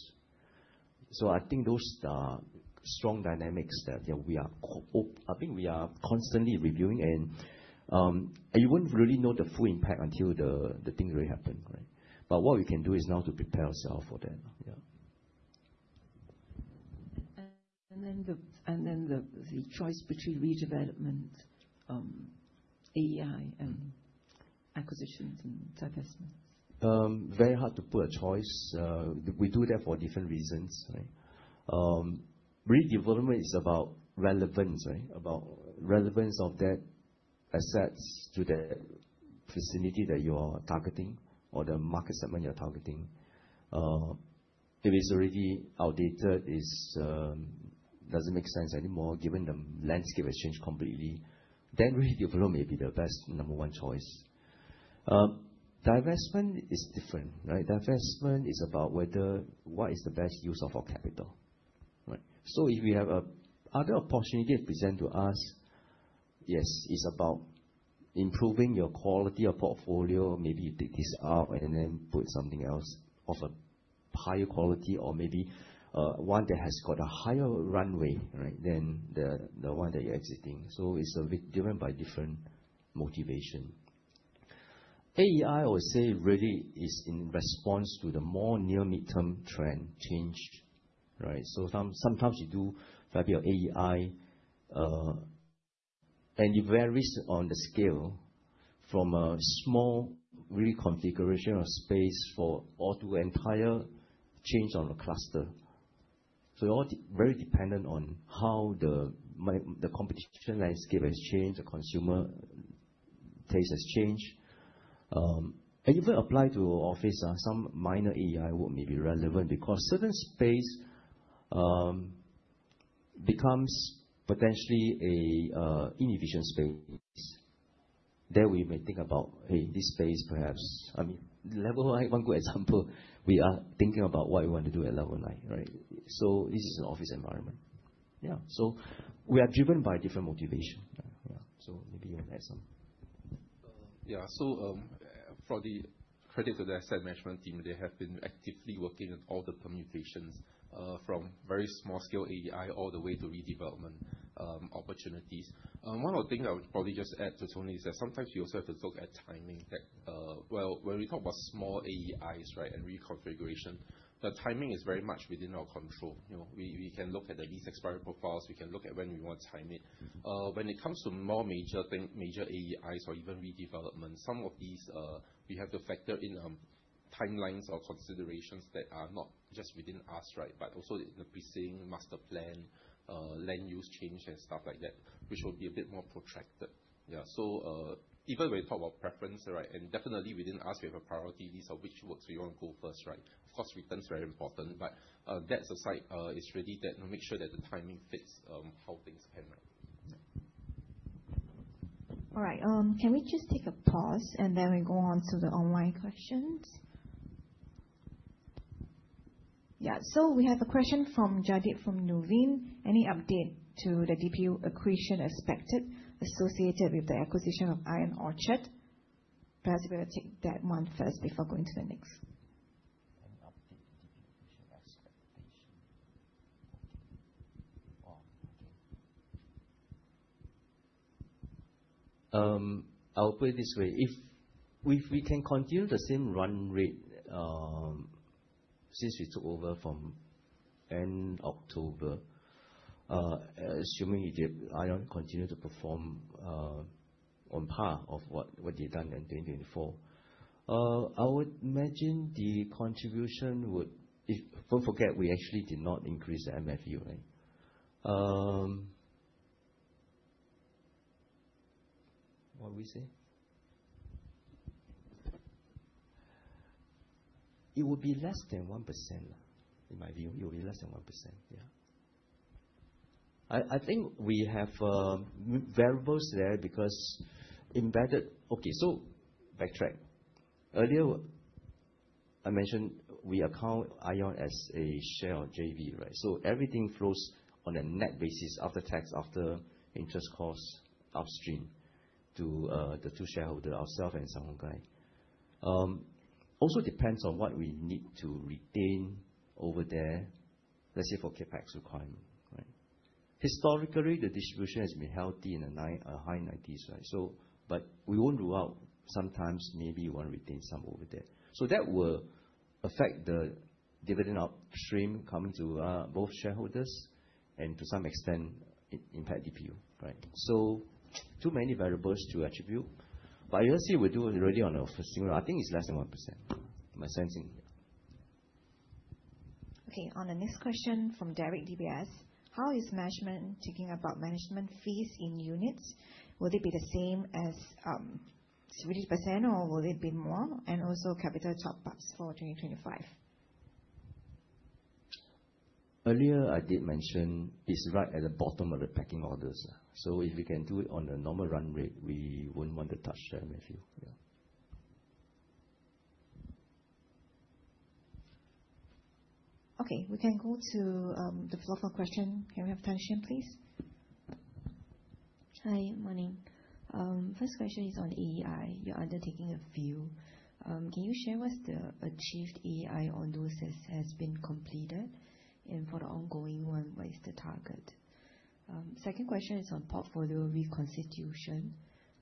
I think those are strong dynamics that I think we are constantly reviewing, and you won't really know the full impact until the thing really happens, right? What we can do is now to prepare ourselves for that. The choice between redevelopment, AEI, and acquisitions and divestments. Very hard to put a choice. We do that for different reasons, right? Redevelopment is about relevance, right? About relevance of that asset to the vicinity that you are targeting or the market segment you're targeting. If it's already outdated, doesn't make sense anymore, given the landscape has changed completely, then redevelopment may be the best number one choice. Divestment is different, right? Divestment is about what is the best use of our capital, right? If we have other opportunities present to us, yes, it's about improving your quality of portfolio. Maybe you take this out and then put something else of a higher quality or maybe one that has got a higher runway, right? Than the one that you're exiting. It's driven by different motivations. AEI, I would say, really is in response to the more near mid-term trend change, right? Sometimes you do a fair bit of AEI, and it varies on the scale from a small reconfiguration of space for all to entire change on the cluster. Very dependent on how the competition landscape has changed, the consumer taste has changed. Even apply to office, some minor AEI work may be relevant because certain space becomes potentially an inefficient space. There we may think about, hey, this space perhaps. Level nine, one good example, we are thinking about what we want to do at level nine, right? This is an office environment. Yeah. We are driven by different motivation. Yeah. Maybe you want to add some. Yeah. For the credit to the asset management team, they have been actively working on all the permutations, from very small scale AEI all the way to redevelopment opportunities. One of the things I would probably just add to Tony is that sometimes you also have to look at timing. Well, when we talk about small AEIs, right, and reconfiguration, the timing is very much within our control. We can look at the lease expiry profiles, we can look at when we want to time it. When it comes to more major AEIs or even redevelopments, some of these, we have to factor in timelines or considerations that are not just within us, right? Also in the precinct master plan, land use change and stuff like that, which will be a bit more protracted. Yeah. Even when you talk about preference, right, definitely within us we have a priority list of which works we want to go first, right? Of course, return's very important. That aside, it's really to make sure that the timing fits how things can, right? Yeah. All right. Can we just take a pause, then we go on to the online questions? Yeah. We have a question from Jadid from Nuveen. "Any update to the DPU accretion expected associated with the acquisition of ION Orchard?" Perhaps we'll take that one first before going to the next. Any update to DPU accretion expectation. Okay. I'll put it this way. If we can continue the same run rate since we took over from end October, assuming ION continue to perform on par of what they've done in 2024, I would imagine the contribution would. Don't forget, we actually did not increase the MFU, right? What did we say? It would be less than 1%, in my view. It would be less than 1%. Yeah. I think we have variables there because. Okay, backtrack. Earlier, I mentioned we account ION as a share of JV, right? Everything flows on a net basis after tax, after interest cost upstream to the two shareholder, ourself and CapitaLand. Also depends on what we need to retain over there, let's say for CapEx requirement, right? Historically, the distribution has been healthy in the high 90s, right? We won't rule out sometimes maybe you want to retain some over there. That will affect the dividend upstream coming to both shareholders and to some extent impact DPU, right? Too many variables to attribute, but you'll see we do already on our first quarter. I think it's less than 1%, my sensing. Okay. On the next question from Derek DBS Bank. "How is management thinking about management fees in units? Will it be the same as 30% or will it be more? Also capital top-ups for 2025? Earlier, I did mention it's right at the bottom of the pecking orders. If we can do it on a normal run rate, we wouldn't want to touch the MFU. Yeah. Okay. We can go to the floor for question. Can we have Tan Xuan, please? Hi. Morning. First question is on AEI. You're undertaking a few. Can you share what's the achieved AEI on those has been completed? For the ongoing one, what is the target? Second question is on portfolio reconstitution.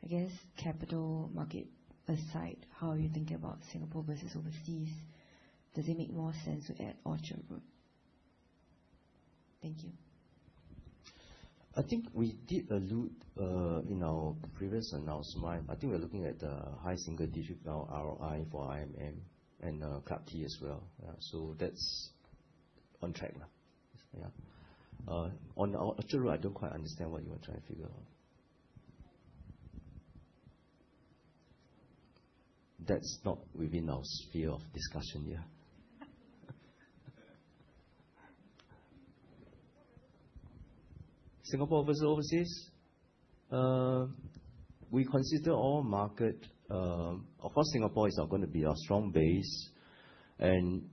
I guess capital market aside, how are you thinking about Singapore versus overseas? Does it make more sense to add Orchard Road? Thank you. I think we did allude in our previous announcement. I think we're looking at the high single-digit ROI for IMM and Club T as well. Yeah. That's on track now. Yeah. On Orchard Road, I don't quite understand what you are trying to figure out. That's not within our sphere of discussion here. Singapore versus overseas? We consider all market. Of course, Singapore is now going to be our strong base, and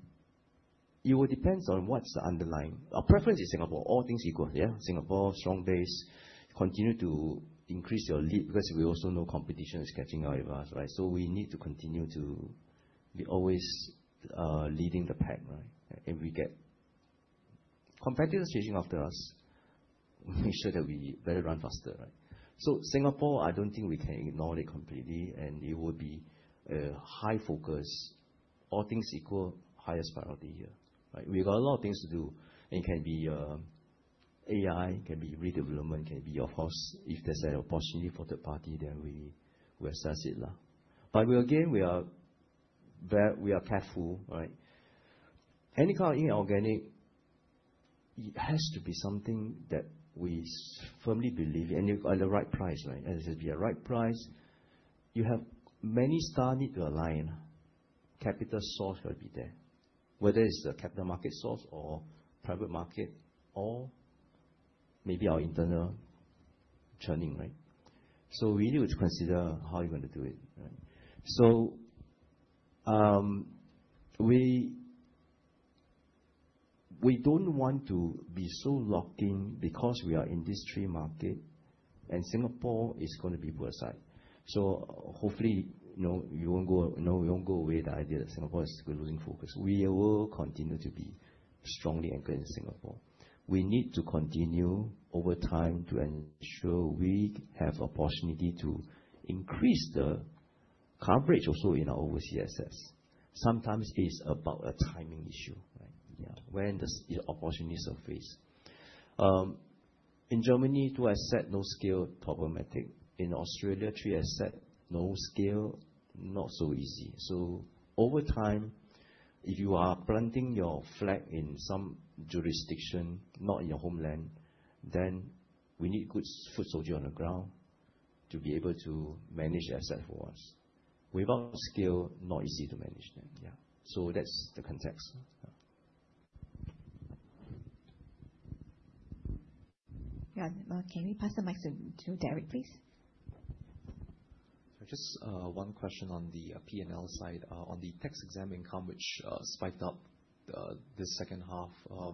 it will depends on what's the underlying. Our preference is Singapore, all things equal, yeah. Singapore, strong base, continue to increase your lead because we also know competition is catching up with us, right? We need to continue to be always leading the pack, right? If we get competitors chasing after us, we make sure that we better run faster, right? Singapore, I don't think we can ignore it completely, and it would be a high focus. All things equal, highest priority here, right? We've got a lot of things to do, and it can be AEI, it can be redevelopment, it can be, of course, if there's an opportunity for third party, then we will assess it. Again, we are careful, right? Any kind of inorganic, it has to be something that we firmly believe in, and at the right price, right? At the right price, you have many star need to align. Capital source will be there. Whether it's the capital market source or private market, or maybe our internal churning, right? We need to consider how you're going to do it, right? We don't want to be so locked in because we are industry market and Singapore is going to be beside. Hopefully, we won't go away the idea that Singapore is losing focus. We will continue to be strongly anchored in Singapore. We need to continue over time to ensure we have opportunity to increase the coverage also in our OCSS. Sometimes it's about a timing issue, right? Yeah. When does the opportunities will face. In Germany, two asset, no skill, problematic. In Australia, three asset, no skill, not so easy. Over time, if you are planting your flag in some jurisdiction, not in your homeland, then we need good foot soldier on the ground to be able to manage the asset for us. Without skill, not easy to manage them. Yeah. That's the context. Yeah. Yeah. Can we pass the mic to Derek, please? Just one question on the P&L side. On the tax-exempt income, which spiked up this second half, are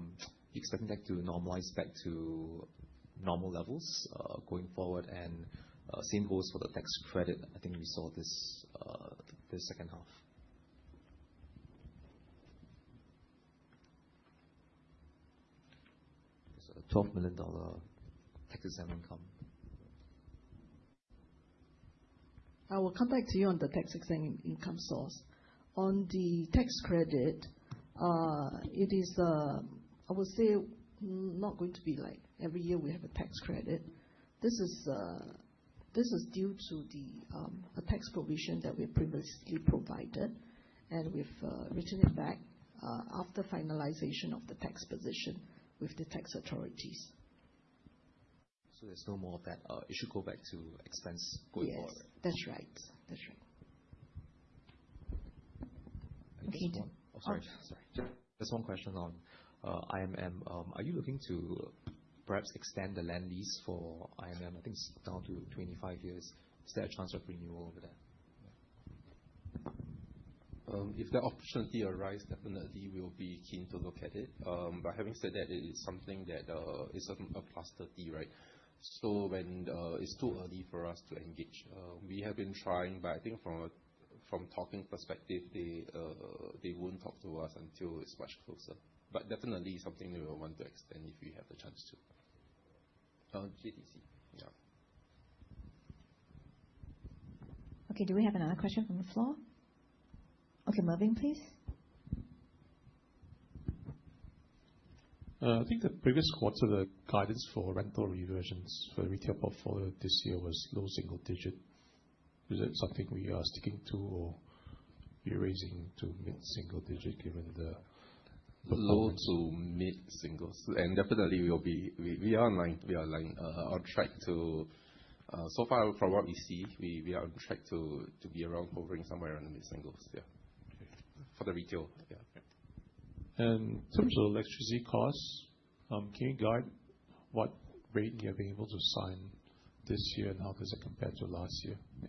you expecting that to normalize back to normal levels, going forward? Same goes for the tax credit, I think we saw this the second half. A SGD 12 million tax-exempt income. I will come back to you on the tax-exempt income source. On the tax credit, it is, I would say, not going to be like every year we have a tax credit. This is due to the tax provision that we previously provided, and we've written it back after finalization of the tax position with the tax authorities. There's no more of that. It should go back to expense going forward. Yes. That's right. Okay, Derek. Sorry. Just one question on IMM. Are you looking to perhaps extend the land lease for IMM? I think it's down to 25 years. Is there a chance of renewal over there? If the opportunity arises, definitely we'll be keen to look at it. Having said that, it is something that is a cluster deal, right? It's too early for us to engage. We have been trying, but I think from talking perspective, they won't talk to us until it's much closer. Definitely something we would want to extend if we have the chance to. JTC, yeah. Do we have another question from the floor? Okay, Mervin, please. I think the previous quarter, the guidance for rental reversions for the retail portfolio this year was low single digit. Is that something we are sticking to, or you're raising to mid-single digit given? Low to mid-singles. Definitely we are on track to. So far from what we see, we are on track to be around hovering somewhere in the mid-singles. Yeah. Okay. For the retail. Yeah. In terms of electricity costs, can you guide what rate you have been able to sign this year and how does it compare to last year? Yeah.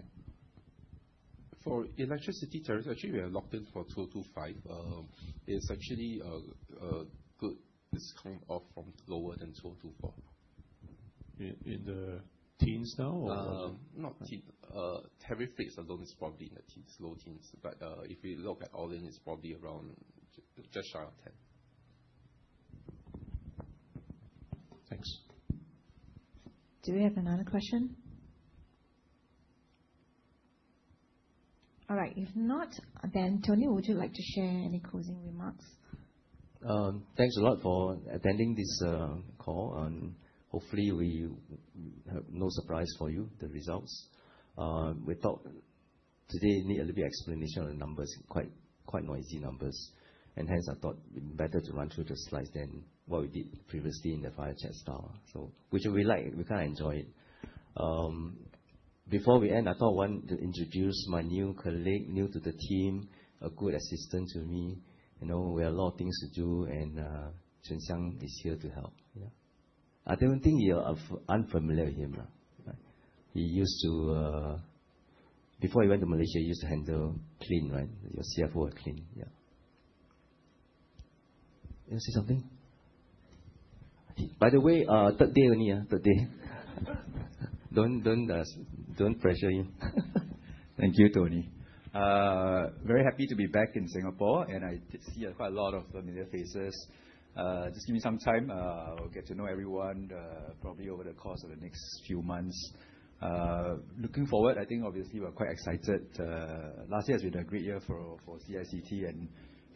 For electricity tariffs, actually, we are locked in for 2025. It is actually a good discount off from lower than 2024. In the teens now? Not teen. Tariff rates alone is probably in the low teens, but if we look at all in, it's probably around just shy of 10. Thanks. Do we have another question? All right. If not, Tony, would you like to share any closing remarks? Thanks a lot for attending this call. Hopefully we have no surprise for you, the results. We thought today need a little bit explanation on the numbers, quite noisy numbers. Hence, I thought it'd be better to run through the slides than what we did previously in the fire chat style. Which we like, we enjoy it. Before we end, I thought I want to introduce my new colleague, new to the team, a good assistant to me. We have a lot of things to do and Choon Siang is here to help. Yeah. I don't think you are unfamiliar with him. Before he went to Malaysia, he used to handle Clean, right? Your CFO at Clean. Yeah. You want to say something? By the way, third day only. Third day. Don't pressure him. Thank you, Tony. Very happy to be back in Singapore, and I see quite a lot of familiar faces. Just give me some time. I'll get to know everyone probably over the course of the next few months. Looking forward, I think obviously we're quite excited. Last year has been a great year for CICT, and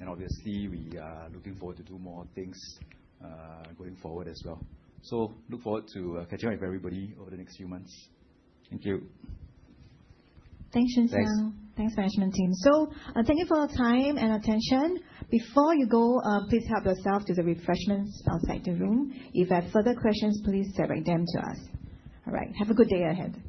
obviously, we are looking forward to do more things going forward as well. Look forward to catching up with everybody over the next few months. Thank you. Thanks, Choon Siang. Thanks. Thanks, management team. Thank you for your time and attention. Before you go, please help yourself to the refreshments outside the room. If you have further questions, please direct them to us. All right. Have a good day ahead.